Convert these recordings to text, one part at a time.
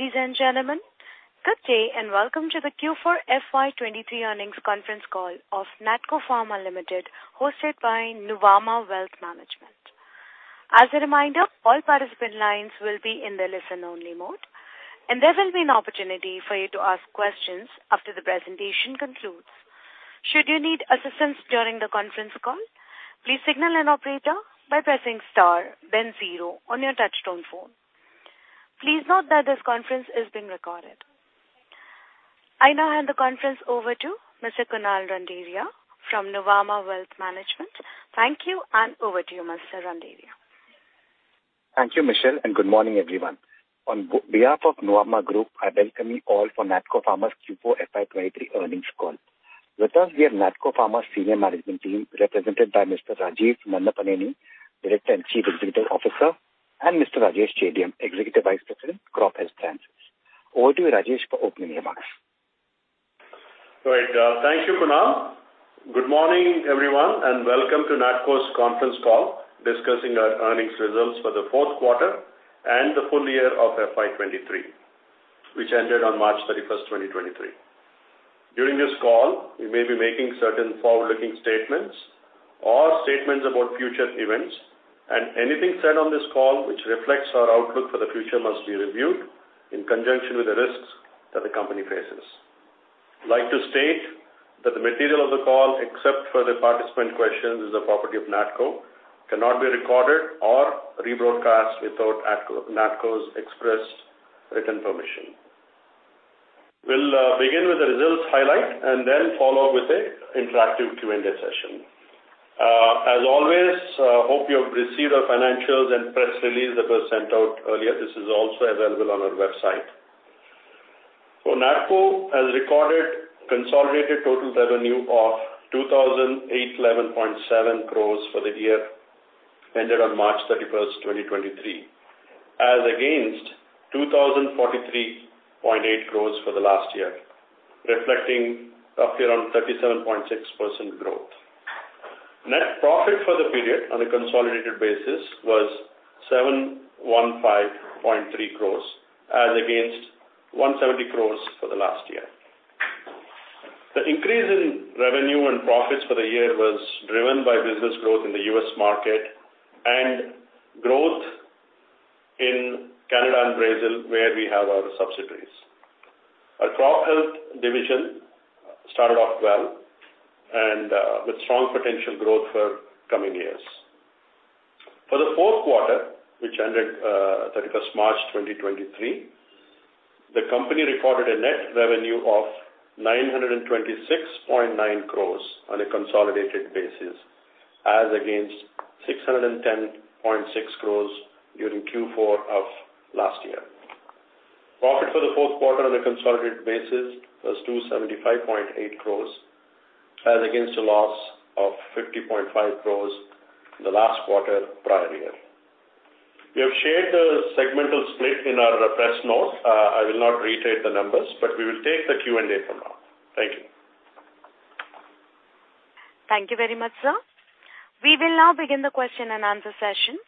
Ladies and gentlemen, good day, and welcome to the Q4 FY23 earnings conference call of NATCO Pharma Limited, hosted by Nuvama Wealth Management. As a reminder, all participant lines will be in the listen-only mode, and there will be an opportunity for you to ask questions after the presentation concludes. Should you need assistance during the conference call, please signal an operator by pressing star then zero on your touchtone phone. Please note that this conference is being recorded. I now hand the conference over to Mr. Kunal Randeria from Nuvama Wealth Management. Thank you, and over to you, Mr. Randeria. Thank you, Michelle, and good morning, everyone. On behalf of Nuvama Group, I welcome you all for NATCO Pharma's Q4 FY 2023 earnings call. With us, we have NATCO Pharma's senior management team, represented by Mr. Rajeev Nannapaneni, Director and Chief Executive Officer, and Mr. Rajesh Chebiyam, Executive Vice President, Crop Health Sciences. Over to you, Rajesh, for opening remarks. Right. Thank you, Kunal. Good morning, everyone, welcome to NATCO's conference call, discussing our earnings results for the fourth quarter and the full year of FY 2023, which ended on March 31, 2023. During this call, we may be making certain forward-looking statements or statements about future events, anything said on this call which reflects our outlook for the future must be reviewed in conjunction with the risks that the company faces. I'd like to state that the material of the call, except for the participant questions, is the property of NATCO, cannot be recorded or rebroadcast without NATCO's express written permission. We'll begin with the results highlight then follow with a interactive Q&A session. As always, hope you have received our financials press release that was sent out earlier. This is also available on our website. NATCO has recorded consolidated total revenue of 2,811.7 crores for the year ended on March 31, 2023, as against 2,043.8 crores for the last year, reflecting roughly around 37.6% growth. Net profit for the period on a consolidated basis was 715.3 crores, as against 170 crores for the last year. The increase in revenue and profits for the year was driven by business growth in the US market and growth in Canada and Brazil, where we have our subsidiaries. Our Crop Health division started off well and with strong potential growth for coming years. For the fourth quarter, which ended, 31st March 2023, the company recorded a net revenue of 926.9 crores on a consolidated basis, as against 610.6 crores during Q4 of last year. Profit for the fourth quarter on a consolidated basis was 275.8 crores, as against a loss of 50.5 crores in the last quarter, prior year. We have shared the segmental split in our press notes. I will not reiterate the numbers, but we will take the Q&A from now. Thank you. Thank you very much, sir. We will now begin the question and answer session.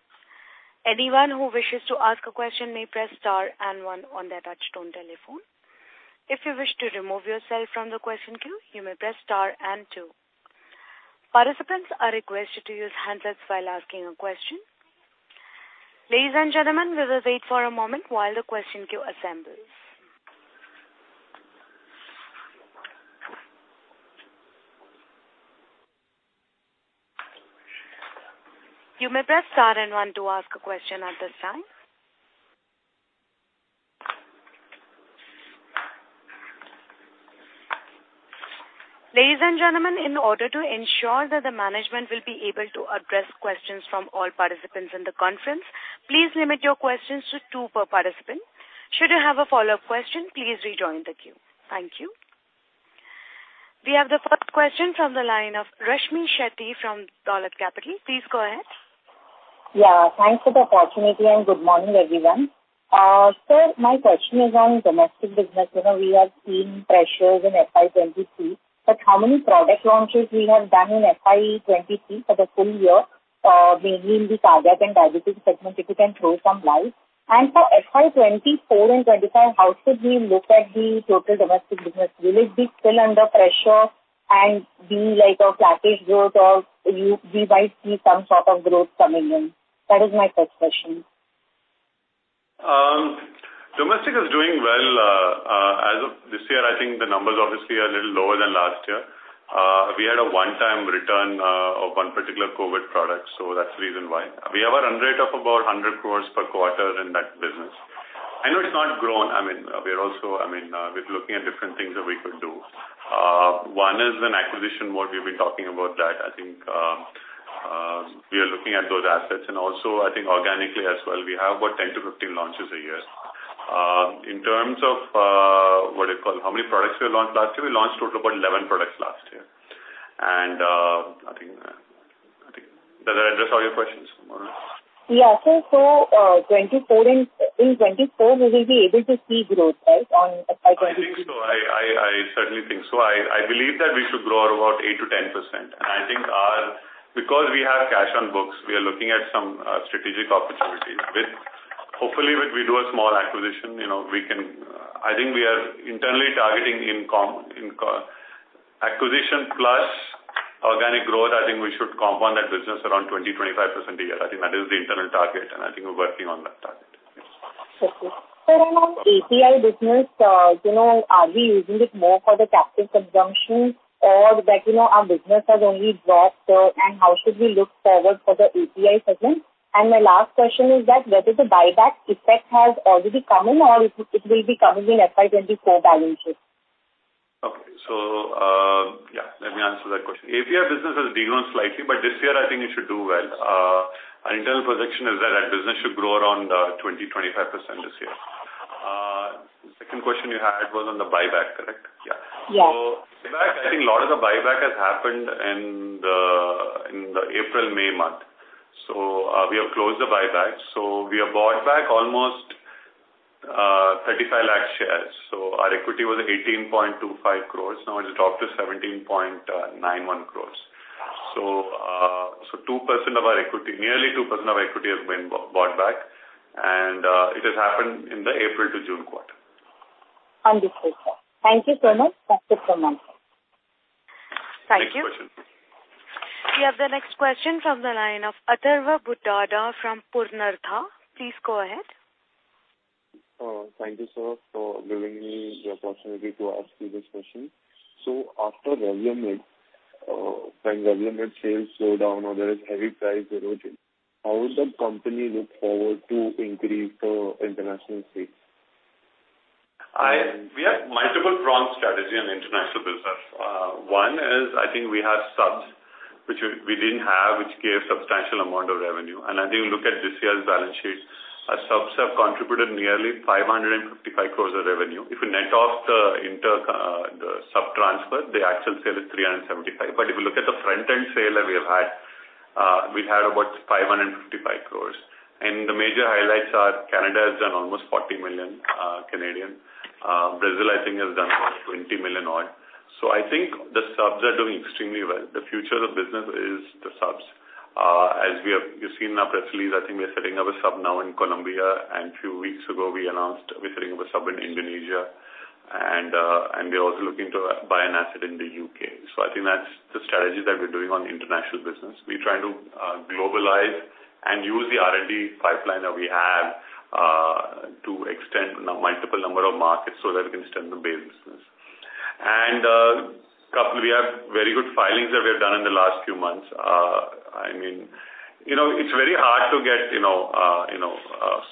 Anyone who wishes to ask a question may press star and one on their touchtone telephone. If you wish to remove yourself from the question queue, you may press star and two. Participants are requested to use handsets while asking a question. Ladies and gentlemen, we will wait for a moment while the question queue assembles. You may press star and one to ask a question at this time. Ladies and gentlemen, in order to ensure that the management will be able to address questions from all participants in the conference, please limit your questions to two per participant. Should you have a follow-up question, please rejoin the queue. Thank you. We have the first question from the line of Rashmi Shetty from Dolat Capital. Please go ahead. Yeah, thanks for the opportunity, and good morning, everyone. Sir, my question is on domestic business. You know, we have seen pressures in FY 2023, but how many product launches we have done in FY 2023 for the full year, mainly in the cardiac and diabetic segment, if you can throw some light. For FY 2024 and 2025, how should we look at the total domestic business? Will it be still under pressure and be like a flattish growth, or we might see some sort of growth coming in? That is my first question. Domestic is doing well. As of this year, I think the numbers obviously are a little lower than last year. We had a one-time return of one particular COVID product, so that's the reason why. We have a run rate of about 100 crores per quarter in that business. I know it's not grown. I mean, we are also, I mean, we're looking at different things that we could do. One is an acquisition mode. We've been talking about that. I think, we are looking at those assets, and also I think organically as well, we have about 10-15 launches a year. In terms of, what do you call, how many products we launched last year? We launched total about 11 products last year. I think, Does that address all your questions? Yeah. 2024 and, in 2024, we will be able to see growth, right, on FY 2024? I think so. I certainly think so. I believe that we should grow at about 8%-10%. I think. Because we have cash on books, we are looking at some strategic opportunities with, hopefully, with we do a small acquisition, you know, we can, I think we are internally targeting in co-- acquisition plus organic growth, I think we should compound that business around 20%-25% a year. I think that is the internal target. I think we're working on that target. Okay. Sir, on API business, you know, are we using it more for the captive consumption or that, you know, our business has only dropped, and how should we look forward for the API segment? My last question is that whether the buyback effect has already come in or it will be coming in FY 2024 balance sheet? Okay. Yeah, let me answer that question. API business has de-grown slightly, this year I think it should do well. Our internal projection is that our business should grow around 20-25% this year. Second question you had was on the buyback, correct? Yeah. Yeah. Buyback, I think a lot of the buyback has happened in the April, May month. We have closed the buyback. We have bought back almost 35 lakh shares. Our equity was 18.25 crores, now it's dropped to 17.91 crores. 2% of our equity, nearly 2% of our equity has been bought back, and it has happened in the April to June quarter. Understood, sir. Thank you so much. That's it from us. Thank you. Next question. We have the next question from the line of Atharva Bhutada from Purnartha. Please go ahead. Thank you, sir, for giving me the opportunity to ask you this question. After Revlimid, when Revlimid sales slow down or there is heavy price erosion, how would the company look forward to increase international sales? We have multiple strong strategy on international business. One is, I think we have subs, which we didn't have, which gave substantial amount of revenue. I think when you look at this year's balance sheet, our subs have contributed nearly 555 crores of revenue. If you net off the inter, the sub transfer, the actual sale is 375. If you look at the front-end sale that we have had, we've had about 555 crores. The major highlights are Canada has done almost 40 million. Brazil, I think, has done about 20 million odd. I think the subs are doing extremely well. The future of business is the subs. As we have, you've seen in our press release, I think we are setting up a sub now in Colombia. A few weeks ago, we announced we're setting up a sub in Indonesia. We're also looking to buy an asset in the U.K. I think that's the strategy that we're doing on the international business. We're trying to globalize and use the R&D pipeline that we have to extend multiple number of markets so that we can extend the base business. Couple, we have very good filings that we have done in the last few months. I mean, you know, it's very hard to get, you know, you know,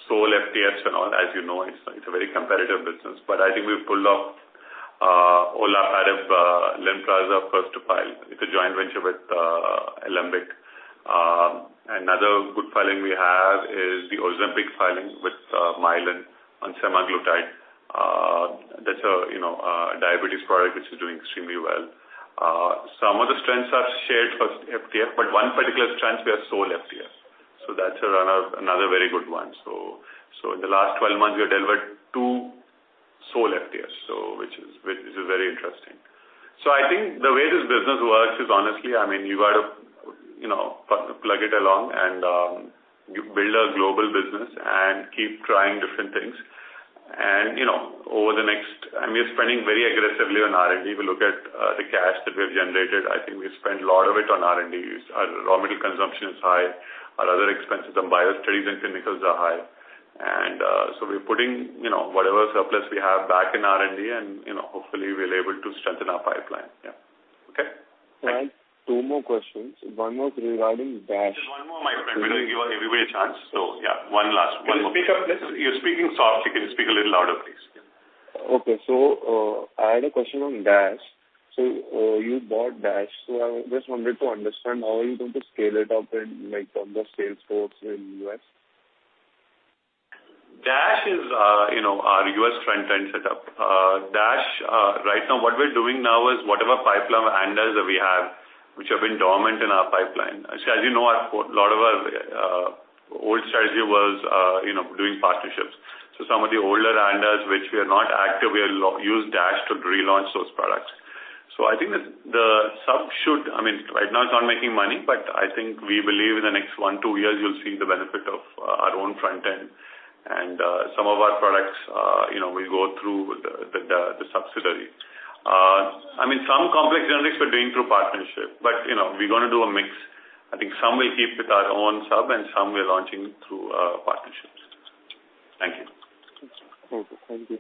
sole FTFs and all. As you know, it's a very competitive business, but I think we've pulled off Olaparib Lynparza, first to file. It's a joint venture with Alembic. Another good filing we have is the Ozempic filing with Mylan on semaglutide. That's a, you know, a diabetes product, which is doing extremely well. Some of the strengths are shared first FTF, but one particular strength, we have sole FTF. That's another very good one. In the last 12 months, we have delivered 2 sole FTFs, which is very interesting. I think the way this business works is honestly, I mean, you got to, you know, plug it along and you build a global business and keep trying different things. You know, over the next... I mean, we're spending very aggressively on R&D. We look at the cash that we have generated, I think we spend a lot of it on R&D use. Our raw material consumption is high, our other expenses on biostudies and chemicals are high. We're putting, you know, whatever surplus we have back in R&D, and, you know, hopefully, we're able to strengthen our pipeline. Yeah. Okay? I have 2 more questions. One more regarding DASH. Just one more, my friend. We want to give everybody a chance. Yeah, one last one. Can you speak up, please? You're speaking soft. You can speak a little louder, please. I had a question on DASH. You bought DASH, so I just wanted to understand how are you going to scale it up in, like, on the sales force in U.S.? Dash is, you know, our U.S. front-end setup. Dash, right now, what we're doing now is whatever pipeline ANDAs that we have, which have been dormant in our pipeline. As you know, a lot of our old strategy was, you know, doing partnerships. Some of the older ANDAs, which we are not active, we'll use Dash to relaunch those products. I think the sub should... I mean, right now, it's not making money, but I think we believe in the next one, two years, you'll see the benefit of our own front end and some of our products, you know, will go through the subsidiary. I mean, some complex generics we're doing through partnership, but, you know, we're gonna do a mix. I think some we keep with our own sub, and some we are launching through partnerships. Thank you. Okay. Thank you.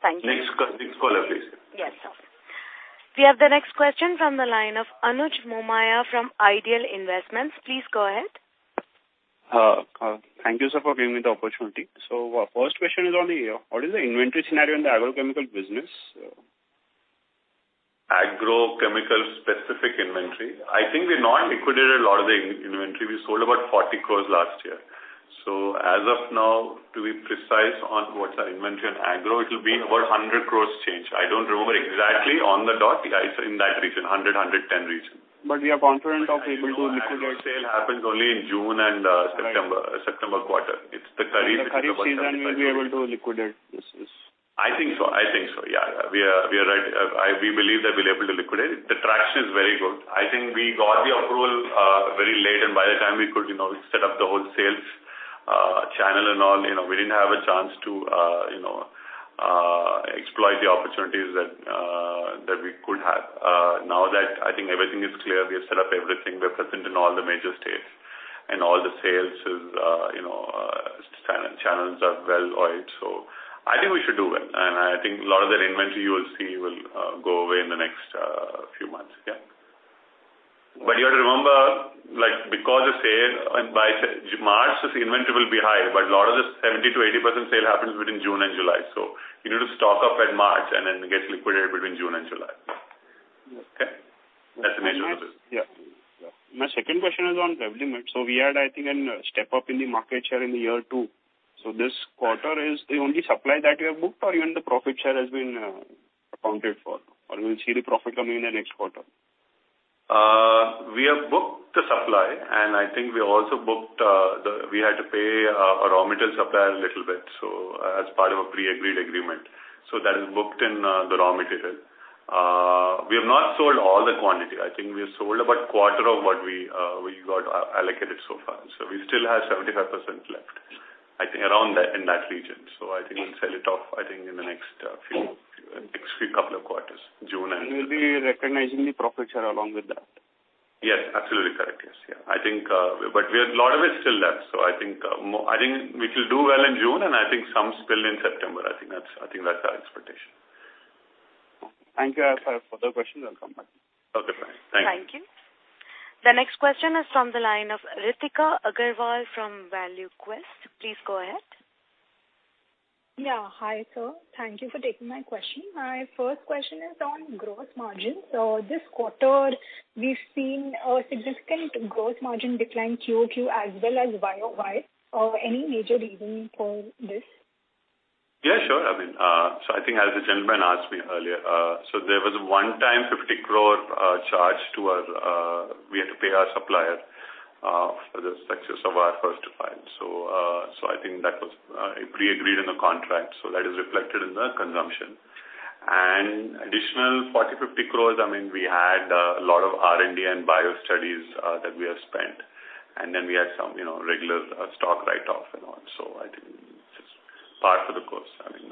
Thank you. Next caller, please. Yes, sir. We have the next question from the line of Anuj Momaya from Ideal Investments. Please go ahead. Thank you, sir, for giving me the opportunity. First question is what is the inventory scenario in the agrochemical business? Agrochemical specific inventory. I think we've now liquidated a lot of the inventory. We sold about 40 crores last year. As of now, to be precise on what's our inventory on agro, it will be about 100 crores change. I don't remember exactly on the dot. It's in that region, 100-110 crores region. we are confident of able to liquidate? Sale happens only in June and September quarter. In the curry season, we'll be able to liquidate this? I think so. I think so, yeah. We are, we are right. I, we believe that we'll be able to liquidate. The traction is very good. I think we got the approval very late, and by the time we could, you know, set up the whole sales channel and all, you know, we didn't have a chance to, you know, exploit the opportunities that we could have. Now that I think everything is clear, we have set up everything. We're present in all the major states, and all the sales is, you know, channels are well oiled. I think we should do well, and I think a lot of that inventory you will see will go away in the next few months. Yeah. You have to remember, like, because of sale, and by March, this inventory will be high, but a lot of this 70%-80% sale happens between June and July. You need to stock up in March and then get liquidated between June and July. Okay. That's the nature of the business. Yeah. My second question is on Revlimid. We had, I think, a step up in the market share in the year 2. This quarter, is the only supply that you have booked, or even the profit share has been accounted for, or we'll see the profit coming in the next quarter? We have booked the supply, I think we also booked. We had to pay, our raw material supplier a little bit, so as part of a pre-agreed agreement. That is booked in the raw material. We have not sold all the quantity. I think we have sold about quarter of what we got allocated so far. We still have 75% left. I think around that, in that region. I think we'll sell it off, I think, in the next couple of quarters, June. We'll be recognizing the profit share along with that? Yes, absolutely correct. Yes. I think, but we have a lot of it still left, so I think, I think we will do well in June, and I think some still in September. I think that's our expectation. Thank you. I have further questions. I'll come back. Okay, fine. Thank you. Thank you. The next question is from the line of Ritika Agarwal from ValueQuest. Please go ahead. Yeah. Hi, sir. Thank you for taking my question. My first question is on gross margin. This quarter, we've seen a significant gross margin decline QOQ as well as YOY. Any major reason for this? Yeah, sure. I mean, I think as the gentleman asked me earlier, there was a one-time 50 crore charge to our, we had to pay our supplier for the success of our first file. I think that was pre-agreed in the contract, so that is reflected in the consumption. Additional 40-50 crore, I mean, we had a lot of R&D and bio studies that we have spent, and then we had some, you know, regular stock write-off and all. I think it's par for the course, I mean.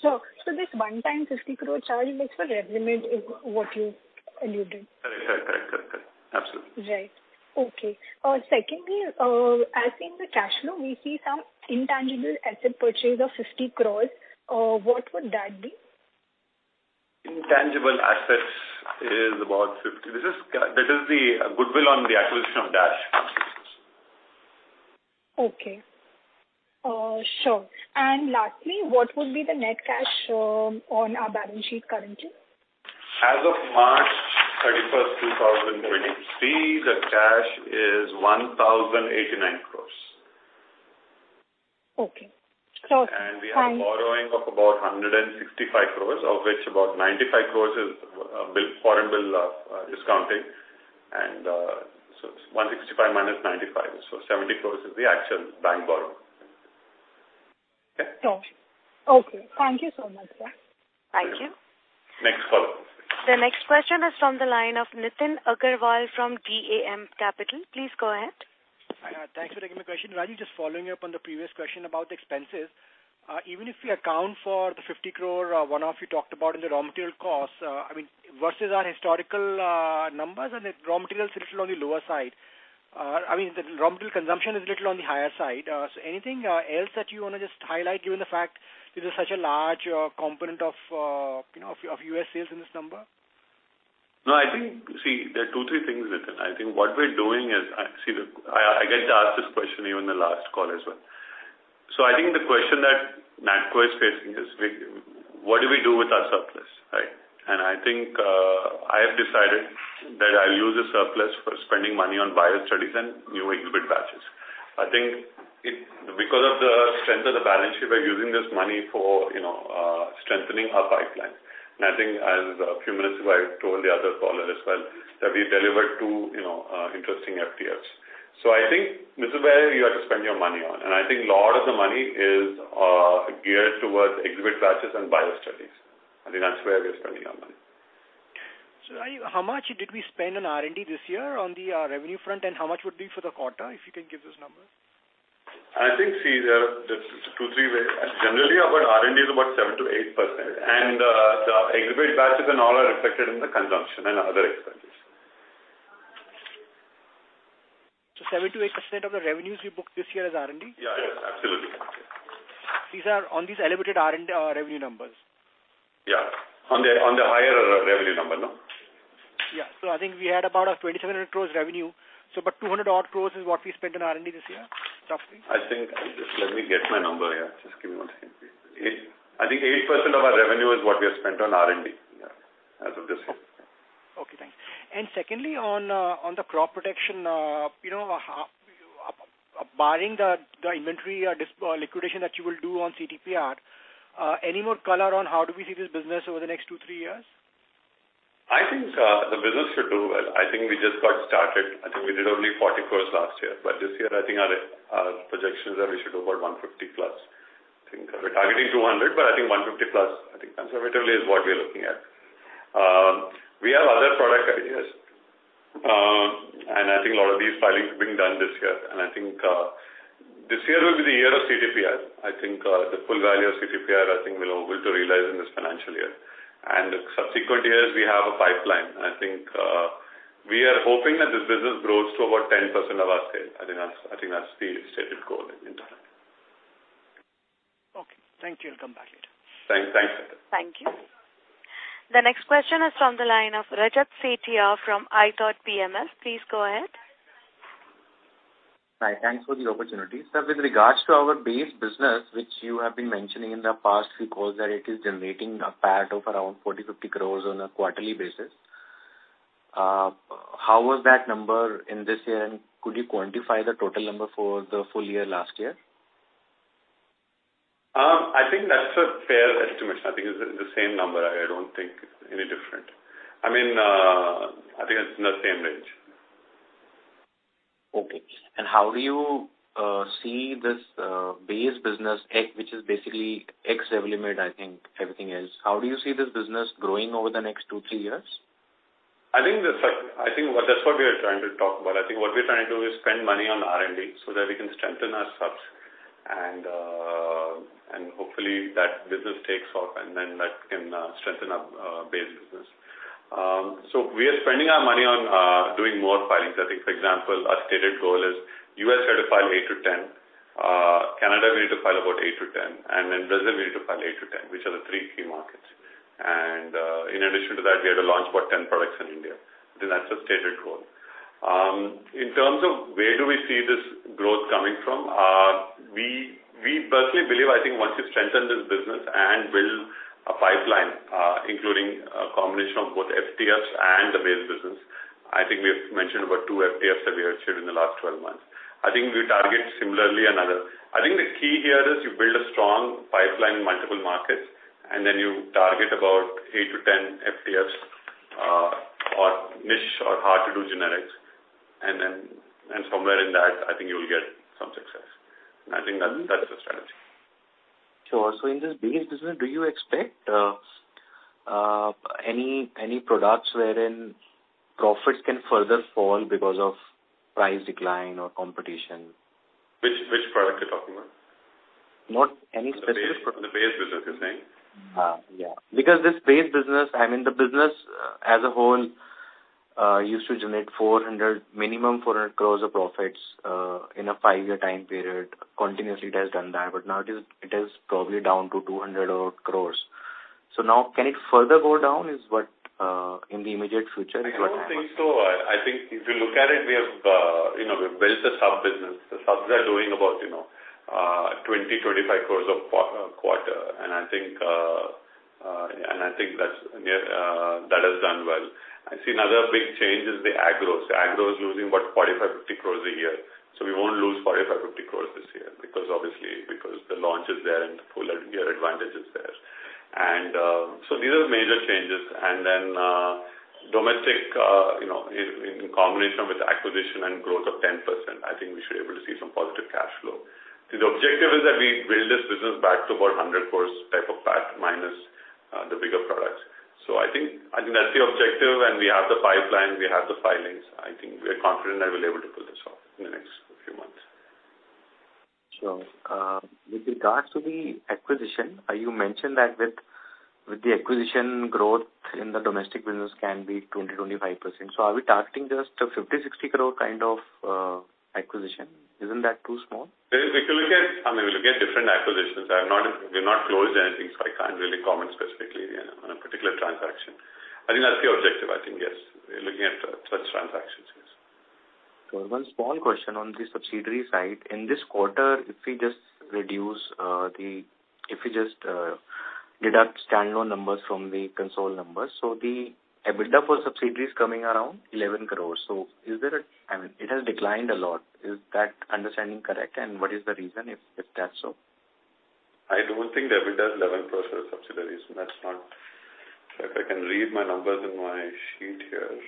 Sure. This one time, 50 crore charge is for Revlimid, is what you alluded? Correct, correct, correct. Absolutely. Right. Okay. Secondly, as in the cash flow, we see some intangible asset purchase of 50 crores. What would that be? Intangible assets is about 50. That is the goodwill on the acquisition of DASH Pharmaceuticals. Okay. sure. Lastly, what would be the net cash on our balance sheet currently? As of March 31, 2023, the cash is 1,089 crores. Okay. We have borrowing of about 165 crores, of which about 95 crores is, bill, foreign bill, discounting. It's 165 minus 95. 70 crores is the actual bank borrow. Okay? Sure. Okay, thank you so much, sir. Thank you. Next call. The next question is from the line of Nitin Agarwal from DAM Capital. Please go ahead. Thanks for taking my question. Raju, just following up on the previous question about the expenses. Even if we account for the 50 crore one-off you talked about in the raw material costs, I mean, versus our historical numbers and the raw material is little on the lower side. I mean, the raw material consumption is little on the higher side. Anything else that you want to just highlight, given the fact this is such a large component of, you know, of U.S. sales in this number? No, I think. See, there are two, three things, Nitin. I think what we're doing is, I see, the, I get to ask this question even in the last call as well. I think the question that NATCO is facing is we, what do we do with our surplus, right? I think, I have decided that I'll use the surplus for spending money on bio studies and new exhibit batches. I think it, because of the strength of the balance sheet, we're using this money for, you know, strengthening our pipeline. I think as a few minutes ago, I told the other caller as well, that we delivered two, you know, interesting FDFs. I think this is where you have to spend your money on, and I think a lot of the money is geared towards exhibit batches and bio studies. I think that's where we are spending our money. Raju, how much did we spend on R&D this year on the revenue front, and how much would be for the quarter, if you can give this number? I think, see, there are two, three ways. Generally, our R&D is about 7%-8%, and the exhibit batches and all are reflected in the consumption and other expenses. 7%-8% of the revenues you booked this year is R&D? Yeah, yeah, absolutely. These are on these elevated R&D, revenue numbers? Yeah, on the higher revenue number, no? Yeah. I think we had about a 27 crores revenue, so about 200 odd crores is what we spent on R&D this year, roughly? I think, let me get my number here. Just give me 1 second, please. I think 8% of our revenue is what we have spent on R&D, yeah, as of this year. Okay, thanks. Secondly, on the crop protection, you know, barring the inventory, dis- liquidation that you will do on CTPR, any more color on how do we see this business over the next two, three years? I think the business should do well. I think we just got started. I think we did only 40 crores last year, but this year, I think our projections are we should do about 150+. I think we're targeting 200, but I think 150+, I think conservatively is what we're looking at. We have other product ideas, and I think a lot of these filings are being done this year. This year will be the year of CTPR. I think the full value of CTPR, I think we will to realize in this financial year. Subsequent years, we have a pipeline. I think we are hoping that this business grows to about 10% of our sales. I think that's the stated goal in time. Okay, thank you. I'll come back later. Thanks. Thanks. Thank you. The next question is from the line of Rajat Setiya from ithoughtPMS. Please go ahead. Hi, thanks for the opportunity. Sir, with regards to our base business, which you have been mentioning in the past, because that it is generating a PAT of around 40, 50 crores on a quarterly basis. How was that number in this year? Could you quantify the total number for the full year, last year? I think that's a fair estimate. I think it's the same number. I don't think any different. I mean, I think it's in the same range. Okay. How do you see this base business, which is basically ex-enzalutamide, I think everything else? How do you see this business growing over the next 2, 3 years? I think that's what we are trying to talk about. I think what we're trying to do is spend money on R&D so that we can strengthen our subs, and hopefully that business takes off, and then that can strengthen our base business. We are spending our money on doing more filings. I think, for example, our stated goal is U.S. certified 8-10, Canada, we need to file about 8-10, Brazil, we need to file 8-10, which are the three key markets. In addition to that, we had to launch about 10 products in India. That's a stated goal. In terms of where do we see this growth coming from. We personally believe, I think once you strengthen this business and build a pipeline, including a combination of both FDFs and the base business, I think we have mentioned about two FDFs that we have achieved in the last 12 months. I think we target similarly another. The key here is you build a strong pipeline in multiple markets, and then you target about 8-10 FDFs, or niche or hard-to-do generics, and somewhere in that, I think you will get some success. I think that's the strategy. Sure. In this base business, do you expect any products wherein profits can further fall because of price decline or competition? Which product you're talking about? Not any specific- The base business, you're saying? Yeah. This base business, I mean, the business as a whole, used to generate 400, minimum 400 crores of profits, in a 5-year time period. Continuously, it has done that. Now it is probably down to 200 crores. Now can it further go down, is what in the immediate future? I don't think so. I think if you look at it, we have, you know, we've built a sub business. The subs are doing about, you know, 20-25 crores of quarter, I think that's that has done well. I see another big change is the agros. agros losing about 45-50 crores a year. We won't lose 45-50 crores this year, because obviously, the launch is there and the full year advantage is there. These are the major changes. Domestic, you know, in combination with acquisition and growth of 10%, I think we should be able to see some positive cash flow. The objective is that we build this business back to about 100 crores type of PAT, minus the bigger products. I think that's the objective, and we have the pipeline, we have the filings. I think we are confident that we'll be able to pull this off in the next few months. Sure. With regards to the acquisition, you mentioned that with the acquisition, growth in the domestic business can be 20%-25%. Are we targeting just a 50-60 crore kind of acquisition? Isn't that too small? I mean, we look at different acquisitions. We're not closed anything, so I can't really comment specifically on a particular transaction. I think that's the objective. I think, yes, we're looking at such transactions, yes. One small question on the subsidiary side. In this quarter, if we just reduce, if you just deduct standalone numbers from the console numbers, the EBITDA for subsidiary is coming around 11 crores. I mean, it has declined a lot. Is that understanding correct? What is the reason, if that's so? I don't think the EBITDA is 11 crores for the subsidiaries. If I can read my numbers in my sheet here,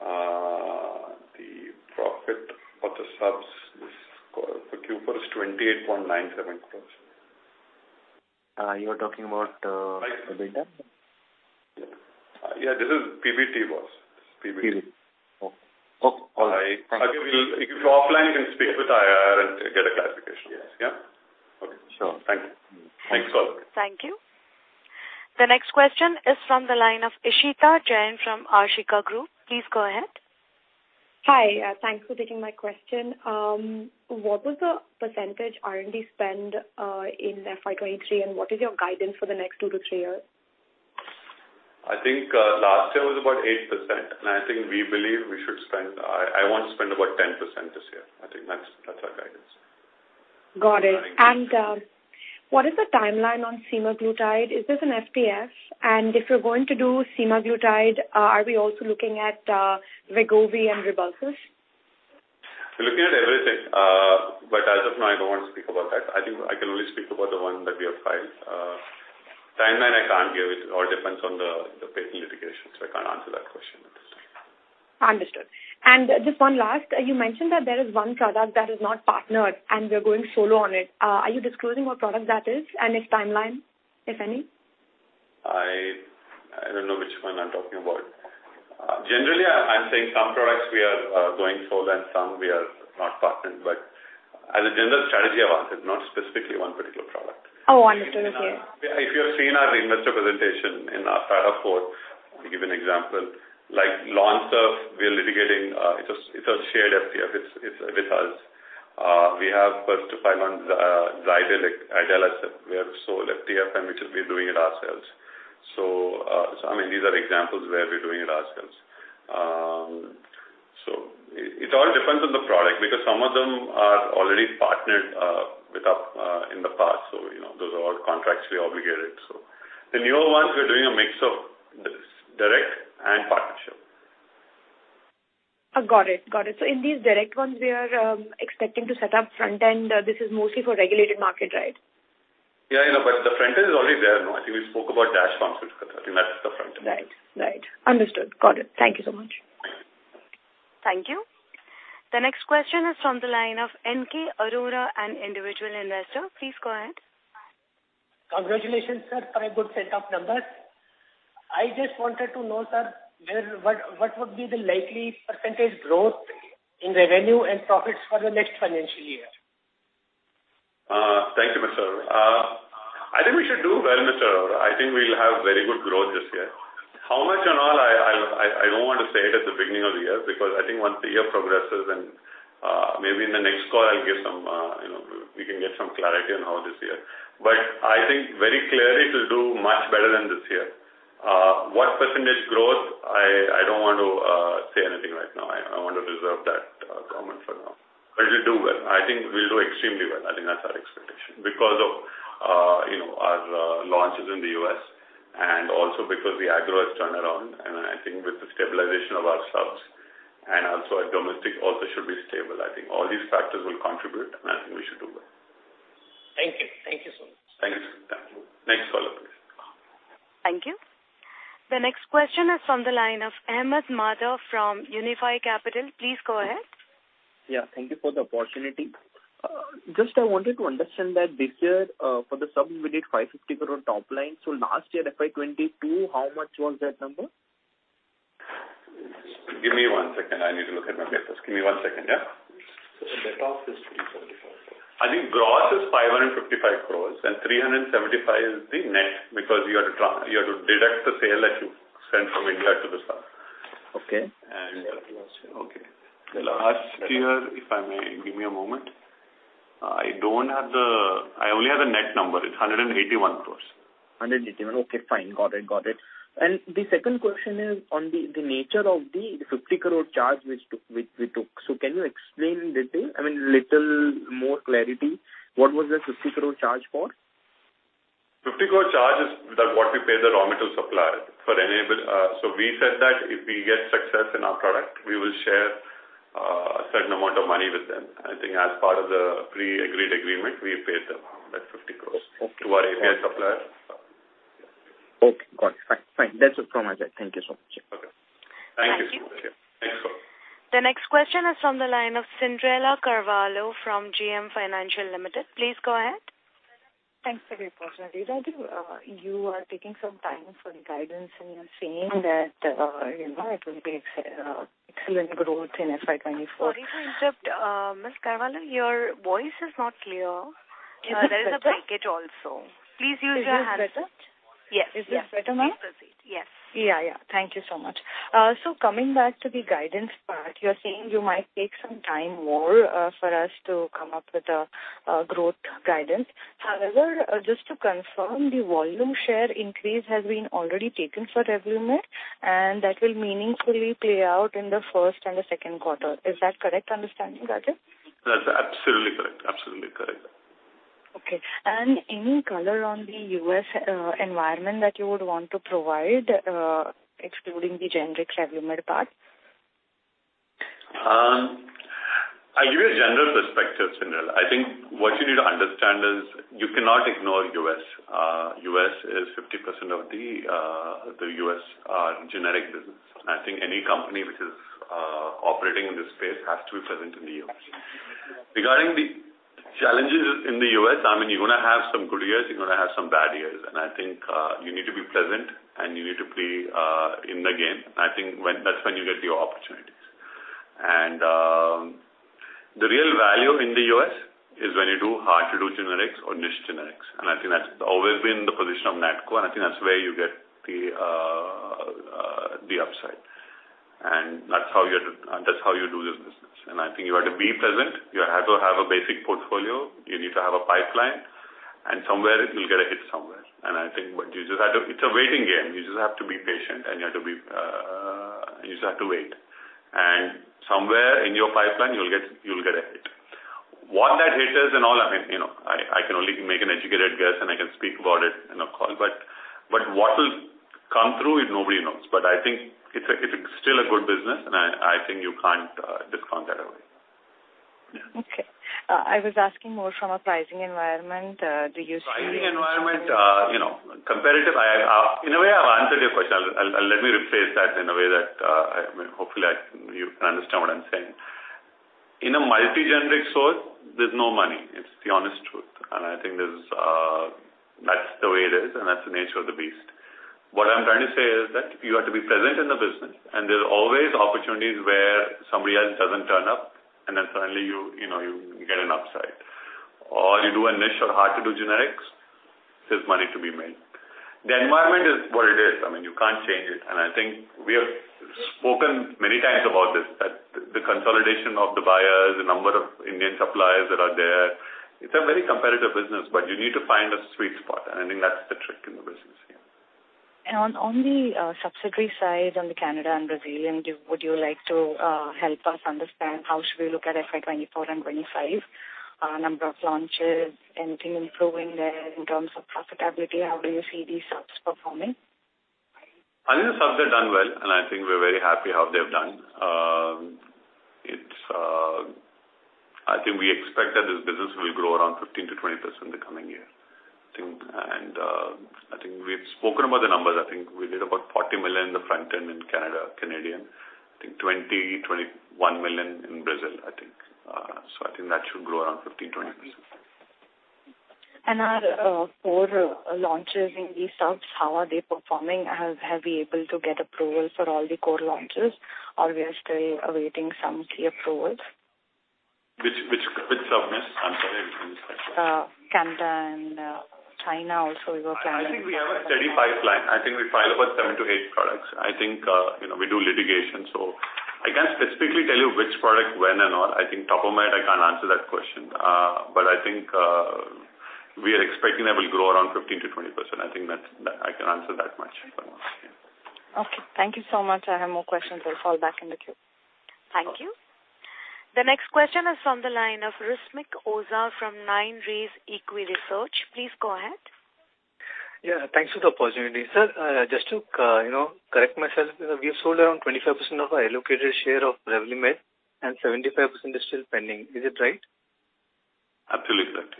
the profit for the subs, this for Q4, is 28.97 crores. You're talking about, EBITDA? Yeah, this is PBT, boss. PBT. PBT. Oh, oh, all right. If you offline, you can speak with IR and get a clarification. Yes. Yeah? Okay, sure. Thank you. Thanks a lot. Thank you. The next question is from the line of Ishita Jain from Ashika Group. Please go ahead. Hi, thanks for taking my question. What was the percentage R&D spend in FY 23, and what is your guidance for the next 2-3 years? I think, last year was about 8%. I think we believe we should spend. I want to spend about 10% this year. I think that's our guidance. Got it. What is the timeline on semaglutide? Is this an FDF? If you're going to do semaglutide, are we also looking at Wegovy and RYBELSUS? We're looking at everything, but as of now, I don't want to speak about that. I think I can only speak about the one that we have filed. Timeline, I can't give it, all depends on the patent litigation, so I can't answer that question at this time. Understood. Just one last, you mentioned that there is one product that is not partnered, and we are going solo on it. Are you disclosing what product that is and its timeline, if any? I don't know which one I'm talking about. Generally, I'm saying some products we are going solo and some we are not partnered, but as a general strategy of ours, it's not specifically one particular product. Oh, understood. Yeah. If you have seen our investor presentation in our 4th, to give you an example, like Lonsurf, we are litigating, it's a shared FTF, it's with us. We have First-to-File on the Idelas we have sold FTF, and we will be doing it ourselves. I mean, these are examples where we're doing it ourselves. It all depends on the product, because some of them are already partnered with us in the past. You know, those are all contractually obligated. The newer ones, we're doing a mix of this, direct and partnership. I got it. Got it. In these direct ones, we are expecting to set up front-end, this is mostly for regulated market, right? Yeah, you know, the front-end is already there, no. I think we spoke about DASH functions, I think that's the front-end. Right. Right. Understood. Got it. Thank you so much. Thank you. The next question is from the line of N.K. Arora, an individual investor. Please go ahead. Congratulations, sir, for a good set of numbers. I just wanted to know, sir, what would be the likely % growth in revenue and profits for the next financial year? Thank you, Mr. Arora. I think we should do well, Mr. Arora. I think we'll have very good growth this year. How much in all? I don't want to say it at the beginning of the year, because I think once the year progresses and, maybe in the next call, I'll give some, you know, we can get some clarity on how it is here. I think very clearly it will do much better than this year. What percentage growth? I don't want to say anything right now. I want to reserve that comment for now. It will do well. I think we'll do extremely well. I think that's our expectation, because of, you know, our, launches in the U.S., and also because the agro has turned around, and I think with the stabilization of our subs, and also our domestic also should be stable. I think all these factors will contribute, and I think we should do well. Thank you. Thank you so much. Thanks. Thank you. Next follow, please. Thank you. The next question is from the line of Ahmed Madha from Unifi Capital. Please go ahead. Yeah, thank you for the opportunity. Just I wanted to understand that this year, for the sub, we did 550 crore top line. Last year, FY 2022, how much was that number? Give me one second. I need to look at my papers. Give me one second, yeah? The top is 375. I think gross is 555 crores, and 375 is the net, because you have to deduct the sale that you sent from India to the South. Okay. Okay. The last year, if I may, give me a moment. I only have the net number. It's 181 crores. 181. Okay, fine. Got it. The second question is on the nature of the 50 crore charge which we took. Can you explain the detail? I mean, little more clarity, what was the 50 crore charge for? 50 crore charge is that what we pay the raw material supplier for. We said that if we get success in our product, we will share a certain amount of money with them. I think as part of the pre-agreed agreement, we paid them that 50 crore. Okay. to our API supplier. Okay, got it. Fine. Fine. That's it from my side. Thank you so much. Okay. Thank you. Thank you. Thanks a lot. The next question is from the line of Cyndrella Carvalho from JM Financial Limited. Please go ahead. Thanks for your question, Rajeev. You are taking some time for the guidance, and you're saying that, you know, it will be excellent growth in FY 2024. Sorry to interrupt. Ms. Carvalho, your voice is not clear. Is this better? There is a bracket also. Please use your hands. Is this better? Yes. Is this better now? Please proceed. Yes. Yeah, yeah. Thank you so much. Coming back to the guidance part, you're saying you might take some time more, for us to come up with a growth guidance. However, just to confirm, the volume share increase has been already taken for Revlimid, and that will meaningfully play out in the first and the second quarter. Is that correct understanding, Rajeev? That's absolutely correct. Okay. Any color on the U.S. environment that you would want to provide, excluding the generic Revlimid part? I'll give you a general perspective, Cynderella. I think what you need to understand is you cannot ignore U.S. U.S. is 50% of the U.S. generic business. I think any company which is operating in this space has to be present in the U.S. Regarding the challenges in the U.S., I mean, you're going to have some good years, you're going to have some bad years, and I think you need to be present and you need to play in the game. I think that's when you get the opportunities. The real value in the U.S. is when you do hard-to-do generics or niche generics, and I think that's always been the position of NATCO, and I think that's where you get the upside. That's how you do this business. I think you have to be present, you have to have a basic portfolio, you need to have a pipeline, and somewhere, you'll get a hit somewhere. I think what you just have to. It's a waiting game. You just have to be patient, and you have to be, you just have to wait. Somewhere in your pipeline, you'll get what that hit is and all, I mean, you know, I can only make an educated guess, and I can speak about it in a call, but what will come through, it nobody knows. I think it's a, it's still a good business, and I think you can't discount that away. Okay. I was asking more from a pricing environment. Pricing environment, you know, competitive. I, in a way, I've answered your question. I'll, let me rephrase that in a way that, I mean, hopefully, I, you can understand what I'm saying. In a multi-generic source, there's no money. It's the honest truth, and I think there's, that's the way it is, and that's the nature of the beast. What I'm trying to say is that you have to be present in the business, and there's always opportunities where somebody else doesn't turn up, and then suddenly you know, you get an upside. You do a niche or hard-to-do generics, there's money to be made. The environment is what it is. I mean, you can't change it. I think we have spoken many times about this, that the consolidation of the buyers, the number of Indian suppliers that are there, it's a very competitive business. You need to find a sweet spot. I think that's the trick in the business here. On the subsidiary side, on the Canada and Brazilian, would you like to help us understand how should we look at FY 2024 and 2025? Number of launches, anything improving there in terms of profitability? How do you see these subs performing? I think the subs have done well, and I think we're very happy how they've done. It's. I think we expect that this business will grow around 15%-20% in the coming year. I think we've spoken about the numbers. I think we did about 40 million in the front end in Canada, Canadian. I think $20, 21 million in Brazil, I think. I think that should grow around 15%-20%. Our core launches in these subs, how are they performing? Have you able to get approval for all the core launches, or we are still awaiting some key approvals? Which sub, miss? I'm sorry, I didn't catch that. Canada and China also, we were planning. I think we have a steady pipeline. I think we file about seven to eight products. I think, you know, we do litigation, so I can't specifically tell you which product, when and all. I think Topomed, I can't answer that question. I think, we are expecting that will grow around 15%-20%. I think that's, I can answer that much. Okay, thank you so much. I have more questions. I'll call back in the queue. Thank you. The next question is from the line of Rushmic Oza from Nine REZ Equi Research. Please go ahead. Yeah, thanks for the opportunity. Sir, just to, you know, correct myself, we have sold around 25% of our allocated share of Revlimid, and 75% is still pending. Is it right? Absolutely, that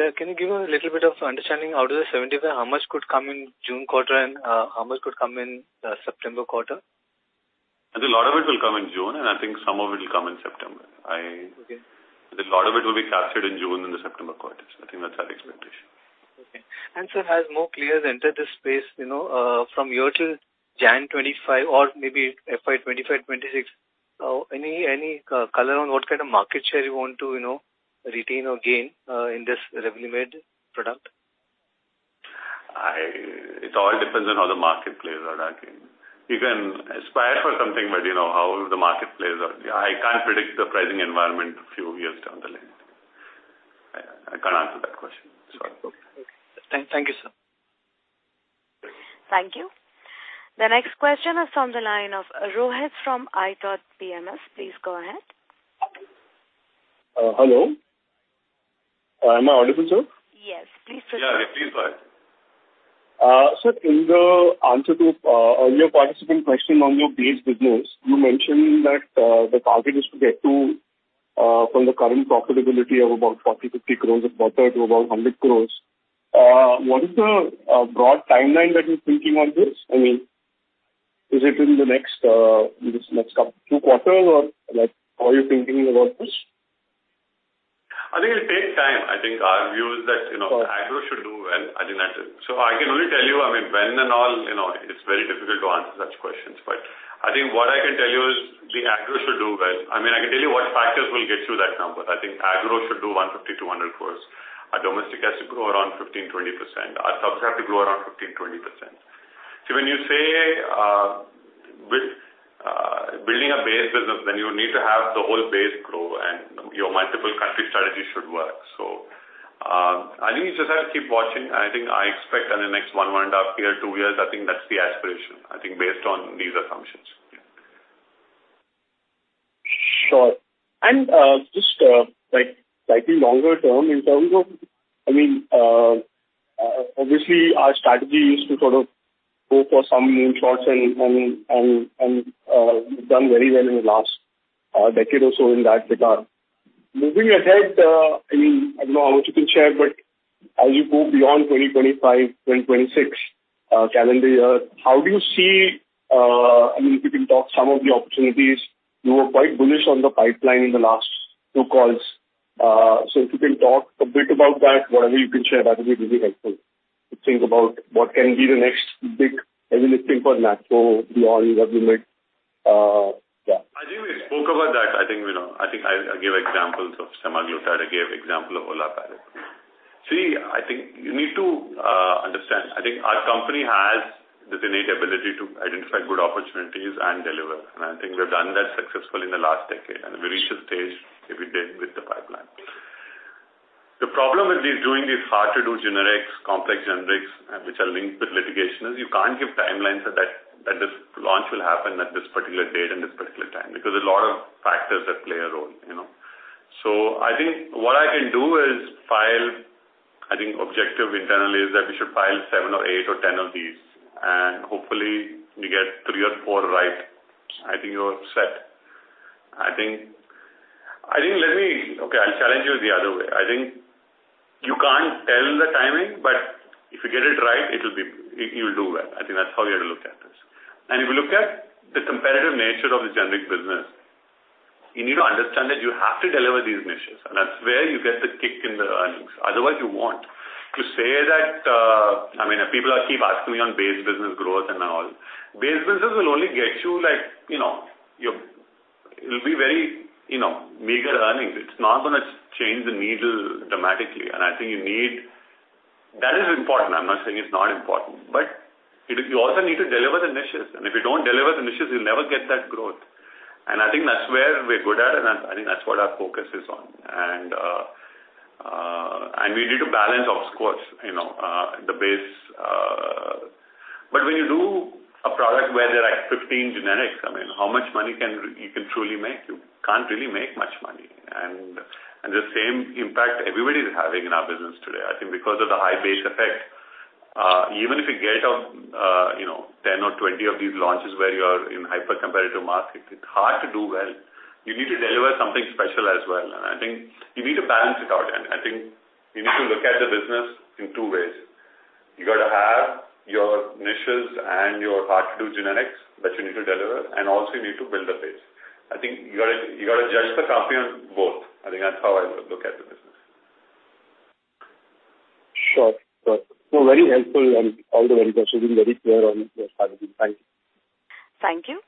is. Can you give a little bit of understanding out of the 75, how much could come in June quarter and, how much could come in, September quarter? I think a lot of it will come in June, and I think some of it will come in September. Okay. A lot of it will be captured in June and the September quarter. I think that's our expectation. Okay. sir, as more players enter this space, you know, from here till January 2025 or maybe FY 2025-2026, any color on what kind of market share you want to, you know, retain or gain, in this Revlimid product? It all depends on how the market players are acting. You can aspire for something, you know, how the market players are. I can't predict the pricing environment a few years down the line. I can't answer that question. Sorry. Okay. Thank you, sir. Thank you. The next question is from the line of Rohit from IPMS. Please go ahead. Hello. Am I audible, sir? Yes, please proceed. Yeah, please go ahead. Sir, in the answer to earlier participant question on your base business, you mentioned that the target is to get to from the current profitability of about 40-50 crores of quarter to about 100 crores. What is the broad timeline that you're thinking on this? I mean, is it in the next in this next couple, two quarters, or, like, how are you thinking about this? I think it'll take time. I think our view is that, you know, agro should do well, I think that's it. I can only tell you, I mean, when and all, you know, it's very difficult to answer such questions, but I think what I can tell you is the agro should do well. I mean, I can tell you what factors will get to that number. I think agro should do 150-200 crores. Our domestic has to grow around 15%-20%. Our subs have to grow around 15%-20%. When you say, with building a base business, then you need to have the whole base grow and your multiple country strategy should work. I think you just have to keep watching. I think I expect in the next 1.5 years, 2 years, I think that's the aspiration, I think, based on these assumptions. Sure. Just, like, slightly longer term in terms of, I mean, obviously, our strategy is to sort of go for some new products and done very well in the last decade or so in that regard. Moving ahead, I mean, I don't know how much you can share, but as you go beyond 2025, 2026 calendar year, how do you see, I mean, if you can talk some of the opportunities, you were quite bullish on the pipeline in the last two calls. If you can talk a bit about that, whatever you can share, that would be really helpful. To think about what can be the next big, I mean, thing for NATCO beyond Revlimid, yeah. I think we spoke about that. I think, you know, I gave examples of semaglutide. I gave example of olaparib. I think you need to understand, I think our company has this innate ability to identify good opportunities and deliver, and I think we've done that successfully in the last decade, and we reach this stage every day with the pipeline. The problem with these doing these hard to do generics, complex generics, which are linked with litigation, is you can't give timelines that this launch will happen at this particular date and this particular time, because there's a lot of factors that play a role, you know? I think what I can do is file, I think objective internally is that we should file seven or eight or 10 of these, and hopefully we get three or four right. I think you're set. I think let me Okay, I'll challenge you the other way. I think you can't tell the timing, but if you get it right, it'll be, you'll do well. I think that's how you have to look at this. If you look at the competitive nature of the generic business, you need to understand that you have to deliver these niches, and that's where you get the kick in the earnings. Otherwise, you want to say that, I mean, people are keep asking me on base business growth and all. Base business will only get you like, you know, it'll be very, you know, meager earnings. It's not gonna change the needle dramatically. I think you need... That is important. I'm not saying it's not important, but you also need to deliver the niches, and if you don't deliver the niches, you'll never get that growth. I think that's where we're good at, and I think that's what our focus is on. We need to balance, of course, you know, the base. But when you do a product where there are 15 generics, I mean, how much money you can truly make? You can't really make much money. The same impact everybody's having in our business today, I think because of the high base effect, even if you get on, you know, 10 or 20 of these launches where you are in hyper competitive market, it's hard to do well. You need to deliver something special as well. I think you need to balance it out, and I think you need to look at the business in two ways. You got to have your niches and your hard to do generics that you need to deliver, and also you need to build the base. I think you got to judge the company on both. I think that's how I would look at the business. Sure. Very helpful, and all the very questions, very clear on your side. Thank you. Thank you.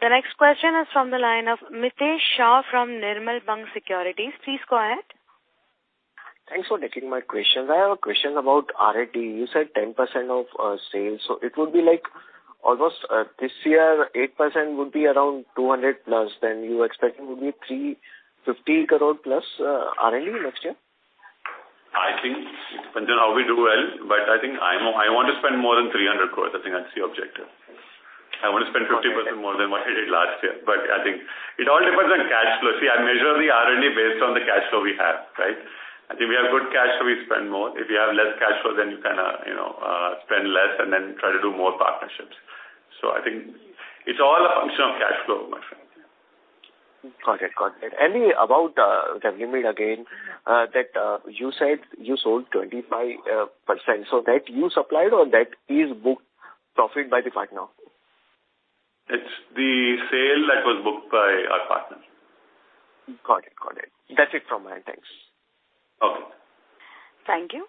The next question is from the line of Mitesh Shah from Nirmal Bang Securities. Please go ahead. Thanks for taking my question. I have a question about R&D. You said 10% of sales, so it would be like almost this year, 8% would be around 200+ crore, then you expecting would be 350+ crore R&D next year? I think, depending on how we do well, I think I want to spend more than 300 crores. I think that's the objective. I want to spend 50% more than what I did last year, I think it all depends on cash flow. See, I measure the R&D based on the cash flow we have, right? I think we have good cash, we spend more. If you have less cash flow, then you kind of, you know, spend less and then try to do more partnerships. I think it's all a function of cash flow, my friend. Got it. Got it. Any about the Lenalidomide again, that you said you sold 25%, so that you supplied or that is booked profit by the partner? It's the sale that was booked by our partner. Got it. Got it. That's it from my end. Thanks. Okay. Thank you.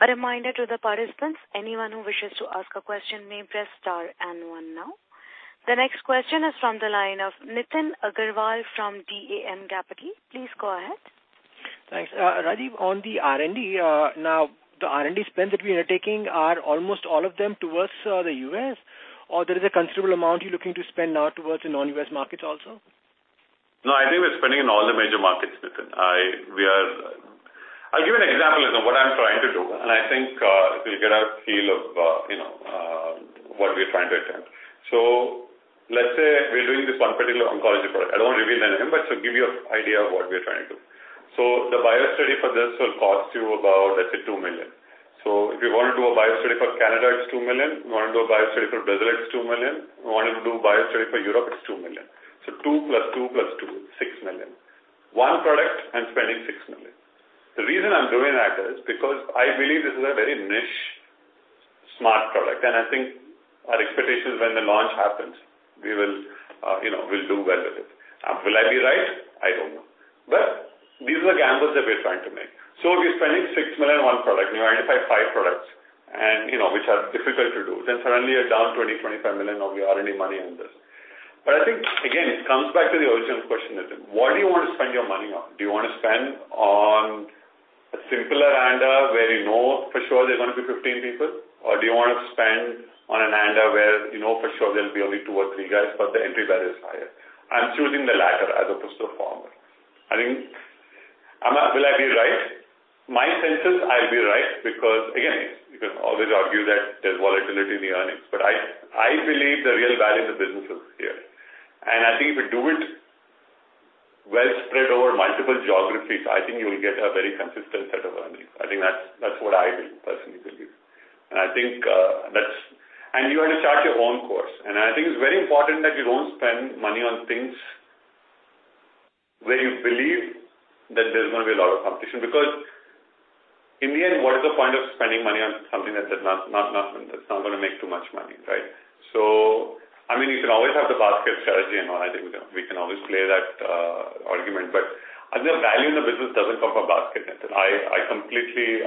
A reminder to the participants, anyone who wishes to ask a question, may press star and one now. The next question is from the line of Nitin Agarwal from DAM Capital. Please go ahead. Thanks. Rajiv, on the R&D, now, the R&D spend that we are taking are almost all of them towards the US, or there is a considerable amount you're looking to spend now towards the non-US markets also? No, I think we're spending in all the major markets, Nitin. I'll give you an example of what I'm trying to do, and I think you'll get a feel of, you know, what we're trying to attempt. Let's say we're doing this one particular oncology product. I don't want to reveal the name, but to give you an idea of what we're trying to do. The bio study for this will cost you about, let's say, $2 million. If you want to do a bio study for Canada, it's $2 million. You want to do a bio study for Brazil, it's $2 million. You want to do a bio study for Europe, it's $2 million. 2 plus 2 plus 2, $6 million. One product, I'm spending $6 million. The reason I'm doing that is because I believe this is a very niche, smart product, and I think our expectation is when the launch happens, we will, you know, we'll do well with it. Will I be right? I don't know. These are the gambles that we're trying to make. We're spending $6 million on 1 product, we identify 5 products, and, you know, which are difficult to do, then suddenly you're down $20 million-$25 million of your R&D money on this. I think, again, it comes back to the original question, Nitin, what do you want to spend your money on? Do you want to spend on a simpler ANDA, where you know for sure there's going to be 15 people? Do you want to spend on an ANDA where you know for sure there'll be only 2 or 3 guys, but the entry bar is higher? I'm choosing the latter as opposed to the former. I think, am I, will I be right? My senses, I'll be right, because again, you can always argue that there's volatility in the earnings, but I believe the real value of the business is here. I think if you do it well spread over multiple geographies, I think you will get a very consistent set of earnings. I think that's what I will personally believe. I think. You want to chart your own course. I think it's very important that you don't spend money on things where you believe that there's going to be a lot of competition, because in the end, what is the point of spending money on something that's not going to make too much money, right? I mean, you can always have the basket strategy and all. I think we can always play that argument, but the value in the business doesn't come from basket. I completely...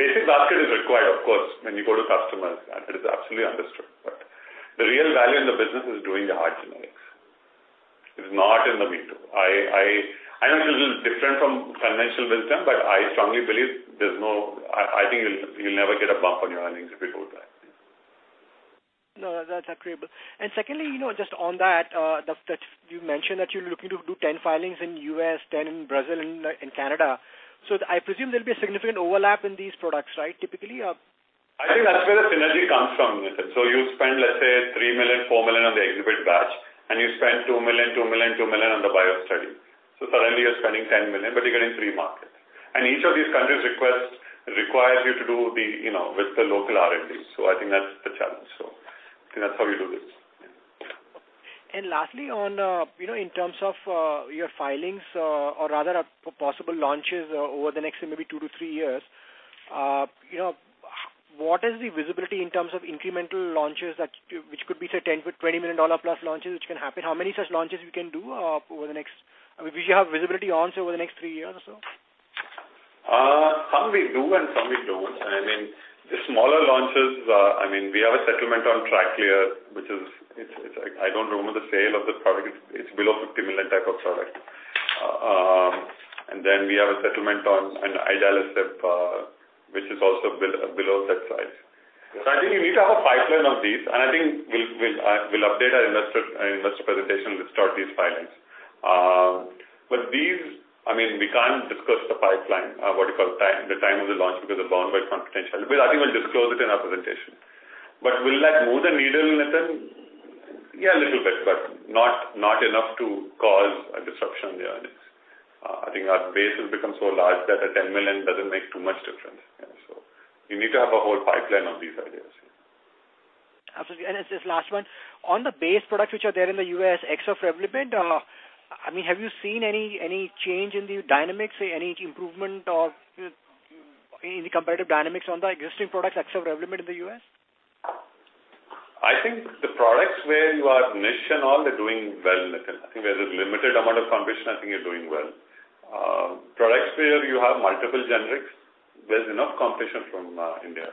Basic basket is required, of course, when you go to customers, and it is absolutely understood, but the real value in the business is doing the hard generics. It's not in the me too. I know it's a little different from conventional wisdom, but I strongly believe I think you'll never get a bump on your earnings if you do that. No, that's agreeable. Secondly, you know, just on that you mentioned that you're looking to do 10 filings in U.S., 10 in Brazil and Canada. I presume there'll be a significant overlap in these products, right? I think that's where the synergy comes from, Nitin. You spend, let's say, 3 million, 4 million on the exhibit batch, and you spend 2 million, 2 million, 2 million on the bio study. Suddenly you're spending 10 million, but you're getting three markets. Each of these countries requires you to do the, you know, with the local RMDs. I think that's the challenge. I think that's how you do this. Lastly, on, you know, in terms of, your filings, or rather, possible launches over the next maybe 2 to 3 years, you know, what is the visibility in terms of incremental launches that, which could be say, $10 million-$20 million plus launches, which can happen? How many such launches you can do, I mean, which you have visibility on over the next 3 years or so? Some we do and some we don't. I mean, the smaller launches, I mean, we have a settlement on Tracleer, which is it's I don't remember the sale of the product. It's below $50 million type of product. Then we have a settlement on idelalisib, which is also below that size. I think you need to have a pipeline of these, and I think we'll update our investor presentation with start these filings. These, I mean, we can't discuss the pipeline, what you call time, the time of the launch, because they're bound by confidentiality. We'll actually disclose it in our presentation. Will that move the needle, Nitin? Yeah, a little bit, but not enough to cause a disruption in the earnings. I think our base will become so large that a $10 million doesn't make too much difference. You need to have a whole pipeline of these ideas. Absolutely. This last one, on the base products, which are there in the U.S., ex of Revlimid, I mean, have you seen any change in the dynamics, any improvement or any competitive dynamics on the existing products, ex of Revlimid in the U.S.? I think the products where you are niche and all, they're doing well, Nitin. I think there's a limited amount of competition, I think you're doing well. Products where you have multiple generics, there's enough competition from India.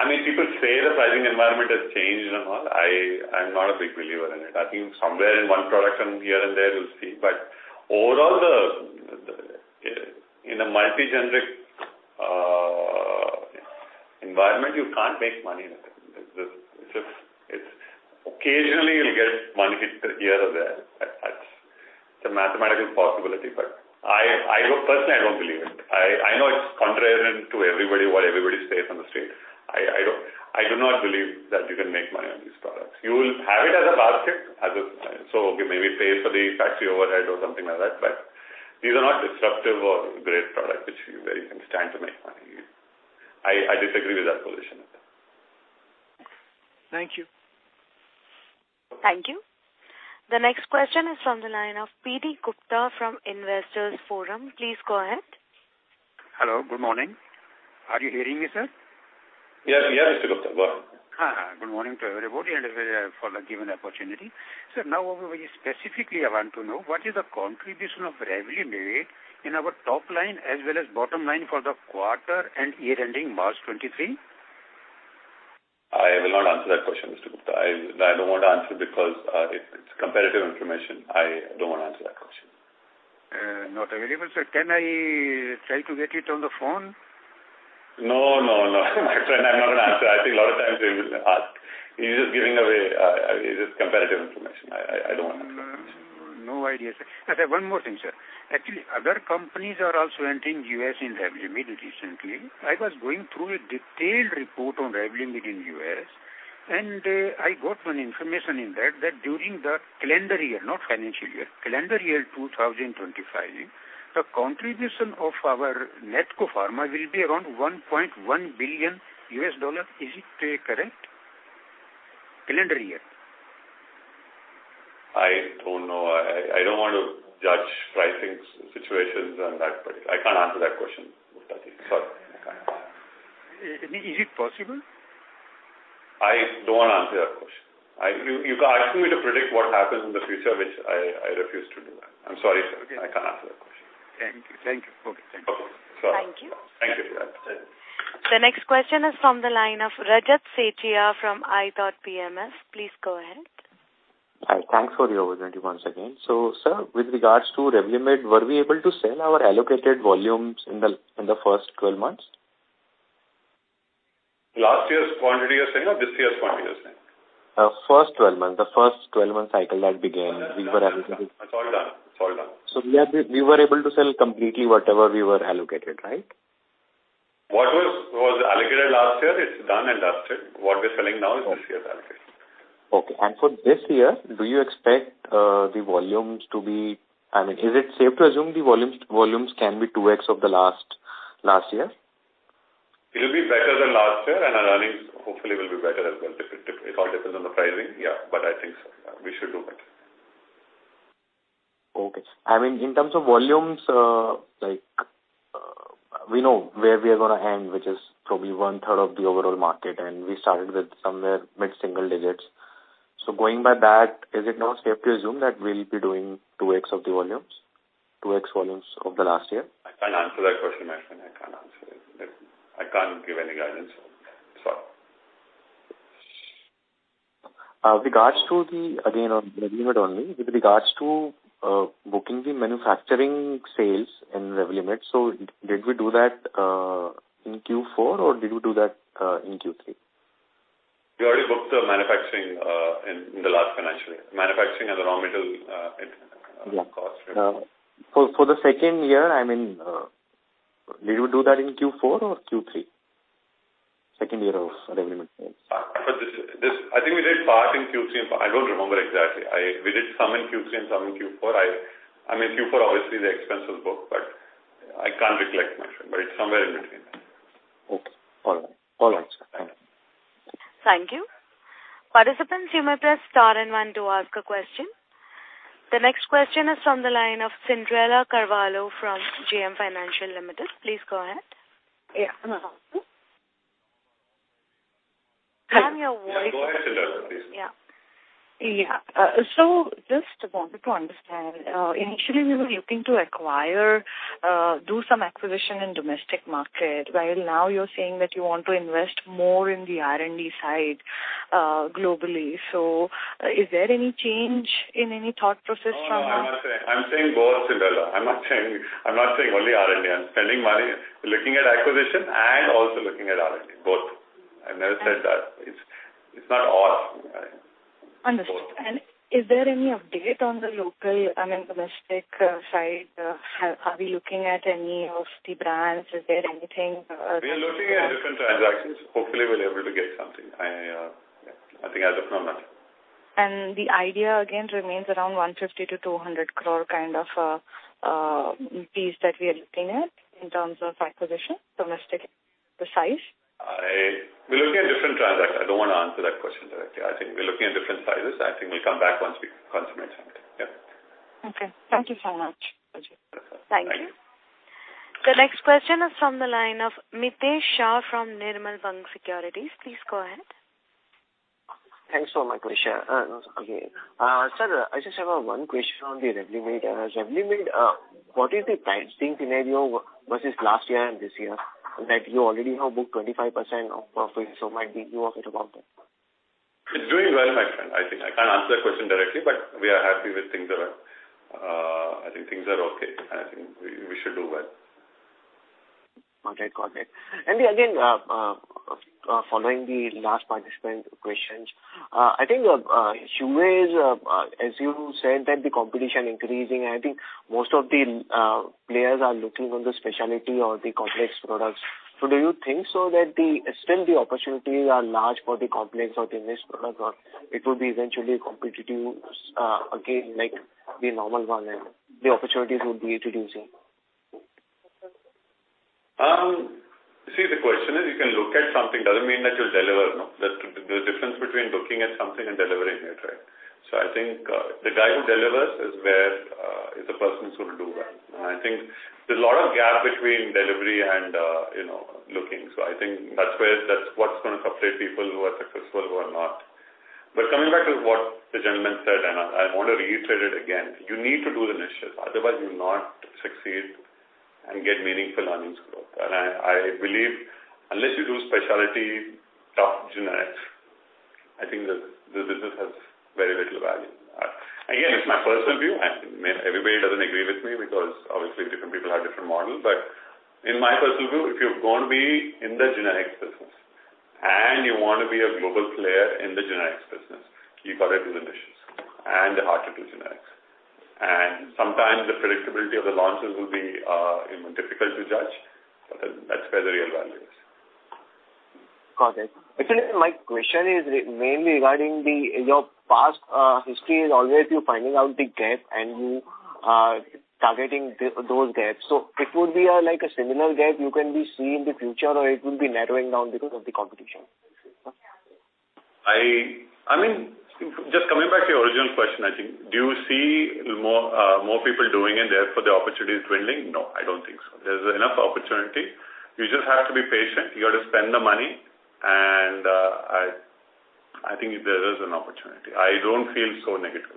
People say the pricing environment has changed and all. I'm not a big believer in it. I think somewhere in one product and here and there, you'll see, but overall, the in a multi-generic environment, you can't make money in it. It's occasionally you'll get one hit here or there. It's a mathematical possibility, but I personally, I don't believe it. I know it's contrarian to everybody, what everybody says on the street. I don't, I do not believe that you can make money on these products. You will have it as a basket, as a... Maybe pay for the taxi overhead or something like that, but these are not disruptive or great products, which you, where you can stand to make money. I disagree with that position. Thank you. Thank you. The next question is from the line of P.D. Gupta from Investors Forum. Please go ahead. Hello, good morning. Are you hearing me, sir? Yes, we are, Mr. Gupta. Welcome. Good morning to everybody, and for the given opportunity. Sir, now, specifically, I want to know, what is the contribution of Revlimid in our top line as well as bottom line for the quarter and year-ending March 23? I will not answer that question, Mr. Gupta. I don't want to answer because it's competitive information. I don't want to answer that question. Not available, sir. Can I try to get it on the phone? No, no. My friend, I'm not gonna answer. I think a lot of times we ask. You're just giving away this competitive information. I don't want to answer that question. No idea, sir. I have one more thing, sir. Actually, other companies are also entering U.S. in Revlimid recently. I was going through a detailed report on Revlimid in U.S., and I got one information in that during the calendar year, not financial year, calendar year 2025, the contribution of our NATCO Pharma will be around $1.1 billion. Is it correct? Calendar year. I don't know. I don't want to judge pricing situations on that, but I can't answer that question, Gupta. Sorry, I can't. Is it possible? I don't want to answer that question. I, you're asking me to predict what happens in the future, which I refuse to do that. I'm sorry, sir, I can't answer that question. Thank you. Thank you. Okay, thank you. Okay. Thank you. Thank you. The next question is from the line of Rajat Setiya from ithoughtPMS. Please go ahead. Hi, thanks for the opportunity once again. sir, with regards to Revlimid, were we able to sell our allocated volumes in the first 12 months? Last year's quantity you're saying, or this year's quantity you're saying? The first 12 months cycle that began. It's all done. It's all done. We were able to sell completely whatever we were allocated, right? What was allocated last year, it's done and dusted. What we're selling now is this year's allocation. Okay. For this year, do you expect the volumes to be, I mean, is it safe to assume the volumes can be 2x of the last year? It'll be better than last year, and our earnings hopefully will be better as well. It all depends on the pricing. Yeah, I think so. We should do better. Okay. I mean, in terms of volumes, like, we know where we are gonna end, which is probably 1/3 of the overall market, and we started with somewhere mid-single digits. Going by that, is it now safe to assume that we'll be doing 2x of the volumes, 2x volumes of the last year? I can't answer that question, my friend. I can't answer it. I can't give any guidance. Sorry.... regards to the, again, on Revlimid only, with regards to booking the manufacturing sales in Revlimid, did we do that in Q4, or did we do that in Q3? We already booked the manufacturing, in the last financial year. Manufacturing and the raw material, cost. Yeah. For the second year, I mean, did you do that in Q4 or Q3? Second year of Revlimid sales. For this, I think we did part in Q3. I don't remember exactly. We did some in Q3 and some in Q4. I mean, Q4, obviously, the expense was booked. I can't recollect much. It's somewhere in between. Okay. All right. All right, sir. Thank you. Thank you. Participants, you may press star and one to ask a question. The next question is from the line of Cyndrella Carvalho from JM Financial Limited. Please go ahead. Yeah. I am your voice. Yeah, go ahead, Cynderella, please. Yeah. Yeah, just wanted to understand, initially, we were looking to acquire, do some acquisition in domestic market, while now you're saying that you want to invest more in the R&D side, globally. Is there any change in any thought process from us? No, I'm not saying. I'm saying both, Cynderella. I'm not saying only R&D. I'm spending money looking at acquisition and also looking at R&D, both. I never said that. It's not or. Understood. Is there any update on the local, I mean, domestic side? Are we looking at any of the brands? Is there anything? We are looking at different transactions. Hopefully, we'll be able to get something. I think as of now, nothing. The idea again remains around 150 crore-200 crore kind of, piece that we are looking at in terms of acquisition, domestic, the size? We're looking at different transactions. I don't want to answer that question directly. I think we're looking at different sizes. I think we'll come back once we consummate something. Yeah. Okay. Thank you so much. Thank you. Thank you. The next question is from the line of Mitesh Shah from Nirmal Bang Securities. Please go ahead. Thanks for my question. Okay. sir, I just have 1 question on the Revlimid. Revlimid, what is the pricing scenario versus last year and this year, that you already have booked 25% of profit, might be you worried about that? It's doing well, my friend. I think I can't answer that question directly, but we are happy with things that are. I think things are okay, and I think we should do well. Got it, got it. Again, following the last participant questions, I think, as you said, that the competition increasing, I think most of the players are looking on the specialty or the complex products. Do you think so that the, still the opportunities are large for the complex or the niche products, or it will be eventually competitive again, like the normal one, and the opportunities would be reducing? You see, the question is, you can look at something, doesn't mean that you'll deliver, no. There's a difference between looking at something and delivering it, right? I think the guy who delivers is where is the person who's going to do well. I think there's a lot of gap between delivery and, you know, looking. I think that's where, that's what's going to separate people who are successful or not. Coming back to what the gentleman said, and I want to reiterate it again, you need to do the initiatives, otherwise you'll not succeed and get meaningful earnings growth. I believe unless you do specialty top generics, I think the business has very little value. Again, it's my personal view, and maybe everybody doesn't agree with me, because obviously different people have different models. In my personal view, if you're going to be in the genetics business and you want to be a global player in the genetics business, you got to do the initiatives and the hard-to-do genetics. Sometimes the predictability of the launches will be difficult to judge, but that's where the real value is. Got it. Actually, my question is mainly regarding the, your past, history is always you finding out the gap and you, targeting those gaps. It would be, like a similar gap you can be seeing in the future, or it would be narrowing down because of the competition? I mean, just coming back to your original question, I think, do you see more, more people doing it, therefore, the opportunity is dwindling? No, I don't think so. There's enough opportunity. You just have to be patient. You got to spend the money, and I think there is an opportunity. I don't feel so negative.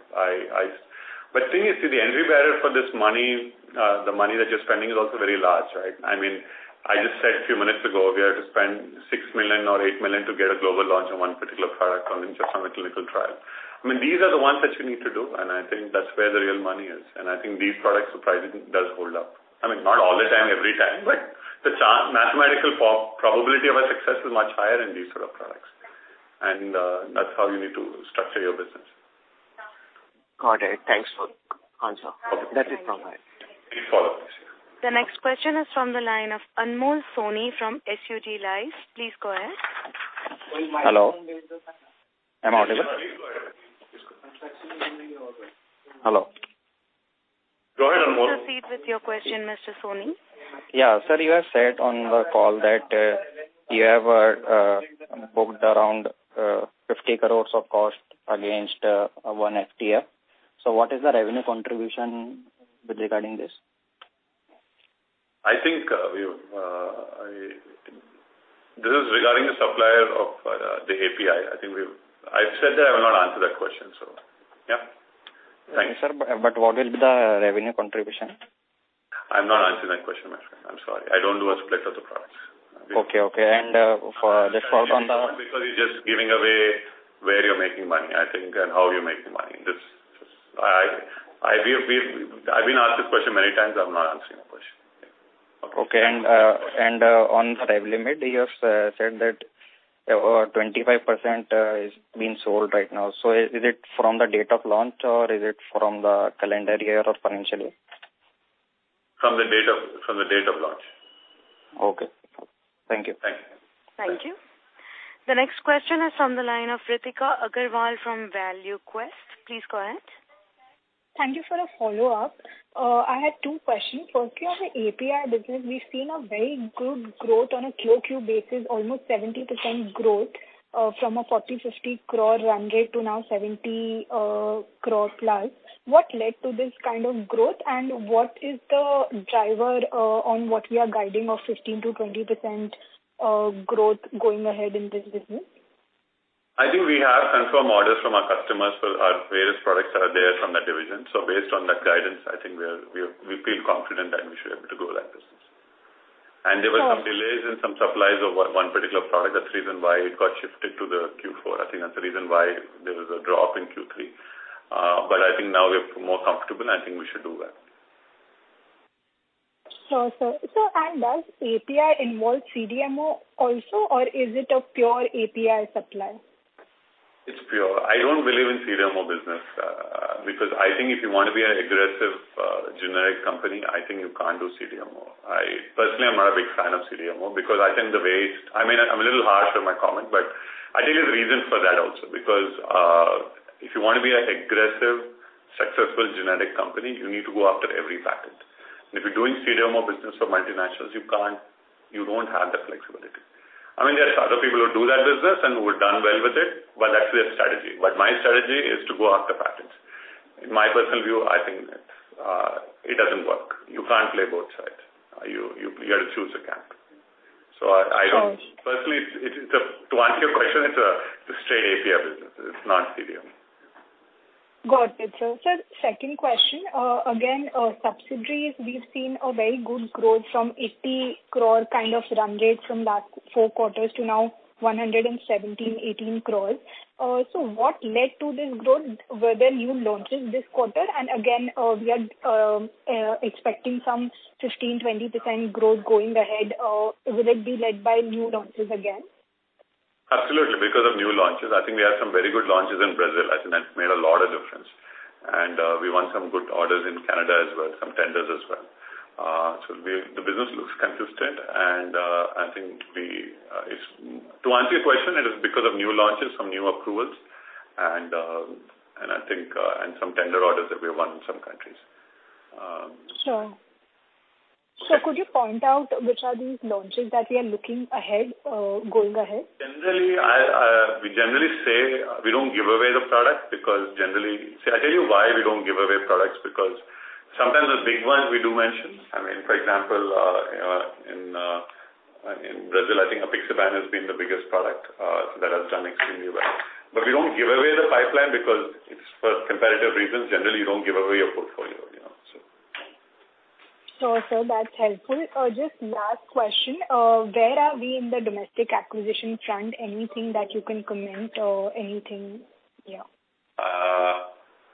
Thing is, see, the entry barrier for this money, the money that you're spending is also very large, right? I mean, I just said a few minutes ago, we have to spend 6 million or 8 million to get a global launch on 1 particular product on just on a clinical trial. I mean, these are the ones that you need to do, and I think that's where the real money is, and I think these products surprisingly does hold up. I mean, not all the time, every time, but the mathematical probability of a success is much higher in these sort of products, and that's how you need to structure your business. Got it. Thanks for the answer. That is from my end. Please follow up. The next question is from the line of Anmol Soni from SUD Life. Please go ahead. Hello, am I audible? Hello. Go ahead, Anmol. Proceed with your question, Mr. Soni. Yeah. Sir, you have said on the call that you have booked around 50 crores of cost against one FTF. What is the revenue contribution with regarding this? This is regarding the supplier of the API. I think I've said that I will not answer. Yeah. Thank you. Sir, what will be the revenue contribution? I'm not answering that question, my friend. I'm sorry. I don't do a split of the products. Okay, okay. for just follow up on the. You're just giving away where you're making money, I think, and how you're making money. This, I've been asked this question many times. I'm not answering the question. Okay. On the Revlimid, you have said that over 25% is being sold right now. Is it from the date of launch, or is it from the calendar year or financial year? From the date of launch. Okay. Thank you. Thank you. Thank you. The next question is from the line of Ritika Agarwal from ValueQuest. Please go ahead. Thank you for the follow-up. I had two questions. For your API business, we've seen a very good growth on a QOQ basis, almost 70% growth, from an 40 crore-50 crore run rate to now 70 crore plus. What led to this kind of growth, and what is the driver on what we are guiding of 15%-20% growth going ahead in this business? I think we have confirmed orders from our customers for our various products that are there from that division. Based on that guidance, I think we are, we feel confident that we should be able to grow that business. Sure. There were some delays in some supplies over one particular product. That's the reason why it got shifted to the Q4. I think that's the reason why there was a drop in Q3. I think now we're more comfortable, and I think we should do well. Sure, sir. Does API involve CDMO also, or is it a pure API supply? It's pure. I don't believe in CDMO business because I think if you want to be an aggressive, generic company, I think you can't do CDMO. Personally, I'm not a big fan of CDMO because I think the way, I mean, I'm a little harsh in my comment, but I think there's a reason for that also. Because if you want to be an aggressive, successful generic company, you need to go after every patent. If you're doing CDMO business for multinationals, you can't, you don't have the flexibility. I mean, there are other people who do that business and who have done well with it, but that's their strategy. My strategy is to go after patents. In my personal view, I think it doesn't work. You can't play both sides. You got to choose a camp. Sure. I don't. Firstly, to answer your question, it's a straight API business. It's not CDMO. Got it, sir. Sir, second question. Again, subsidiaries, we've seen a very good growth from 80 crore kind of run rate from last four quarters to now 117 crore, 18 crore. What led to this growth? Were there new launches this quarter? Again, we are expecting some 15%-20% growth going ahead. Will it be led by new launches again? Absolutely, because of new launches. I think we have some very good launches in Brazil. I think that's made a lot of difference. We won some good orders in Canada as well, some tenders as well. The business looks consistent. To answer your question, it is because of new launches, some new approvals, I think, and some tender orders that we have won in some countries. Sure. Sir, could you point out which are these launches that we are looking ahead, going ahead? Generally, I, we generally say we don't give away the product. See, I tell you why we don't give away products, because sometimes the big ones we do mention. I mean, for example, you know, in Brazil, I think apixaban has been the biggest product, that has done extremely well. We don't give away the pipeline because it's for competitive reasons. Generally, you don't give away your portfolio, you know, so. Sure, sir, that's helpful. just last question? where are we in the domestic acquisition front? Anything that you can comment or anything, yeah?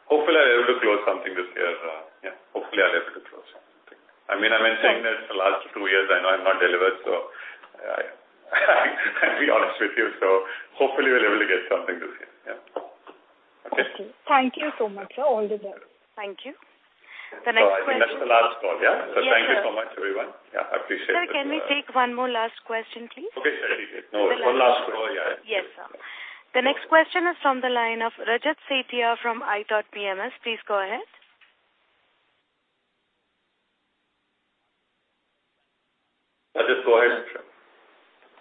Hopefully, I'll be able to close something this year. Yeah, hopefully, I'll be able to close something. I mean, I've been saying that for the last two years. I know I've not delivered, so I'll be honest with you. Hopefully, we're able to get something this year. Yeah. Okay. Thank you so much, sir. All the best. Thank you. The next question. I think that's the last call, yeah? Yes, sir. Thank you so much, everyone. Yeah, I appreciate it. Sir, can we take one more last question, please? Okay, sure. No, one last question. Yes, sir. The next question is from the line of Rajat Setiya from ithoughtPMS. Please go ahead. Rajat, go ahead.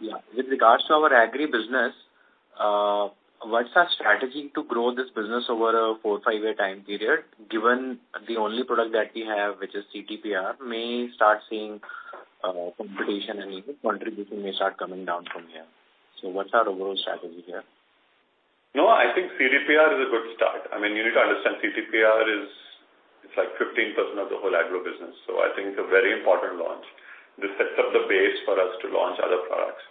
Yeah. With regards to our agri business, what's our strategy to grow this business over a 4, 5-year time period, given the only product that we have, which is CTPR, may start seeing competition and contribution may start coming down from here? What's our overall strategy here? I think CTPR is a good start. I mean, you need to understand CTPR is, it's like 15% of the whole agro business. I think it's a very important launch. This sets up the base for us to launch other products.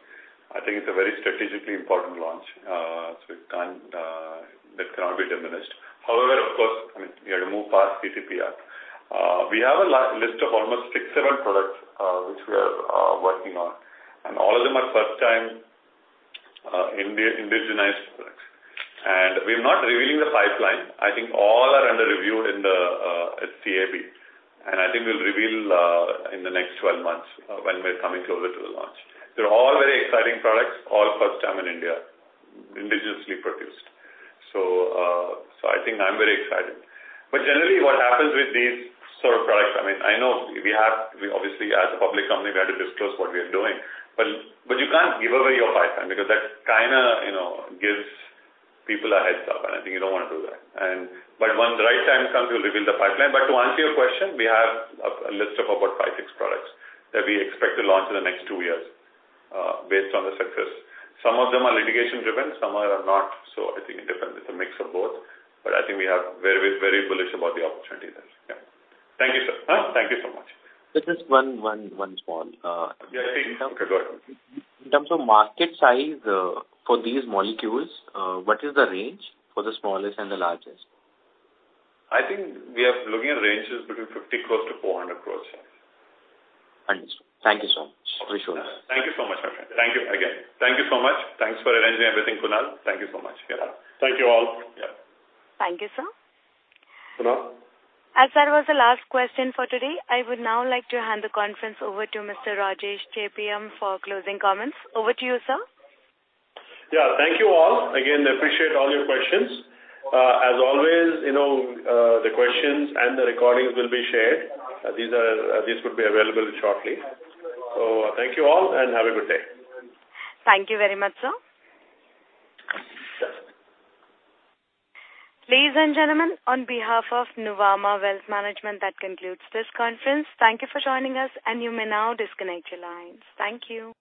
I think it's a very strategically important launch, that cannot be diminished. Of course, I mean, we have to move past CTPR. We have a last list of almost 6, 7 products, which we are working on, and all of them are first-time indigenized products. We're not revealing the pipeline. I think all are under review in the CAB, I think we'll reveal in the next 12 months when we're coming closer to the launch. They're all very exciting products, all first time in India, indigenously produced. I think I'm very excited. Generally, what happens with these sort of products, I mean, I know we obviously, as a public company, we have to disclose what we are doing, but you can't give away your pipeline because that kinda, you know, gives people a heads up, and I think you don't want to do that. When the right time comes, we'll reveal the pipeline. To answer your question, we have a list of about five, six products that we expect to launch in the next two years, based on the success. Some of them are litigation-driven, some are not. I think it depends. It's a mix of both, but I think we are very, very bullish about the opportunity there. Yeah. Thank you, sir. Thank you so much. Just one small Yeah, go ahead. In terms of market size, for these molecules, what is the range for the smallest and the largest? I think we are looking at ranges between 50 crores-400 crores. Thank you. Thank you so much. Appreciate it. Thank you so much, my friend. Thank you again. Thank you so much. Thanks for arranging everything, Kunal. Thank you so much. Thank you all. Yeah. Thank you, sir. Kunal? As that was the last question for today, I would now like to hand the conference over to Mr. Rajesh Chebiyam for closing comments. Over to you, sir. Yeah, thank you all. Again, I appreciate all your questions. As always, you know, the questions and the recordings will be shared. This would be available shortly. Thank you all, and have a good day. Thank you very much, sir. Ladies and gentlemen, on behalf of Nuvama Wealth Management, that concludes this conference. Thank you for joining us, and you may now disconnect your lines. Thank you.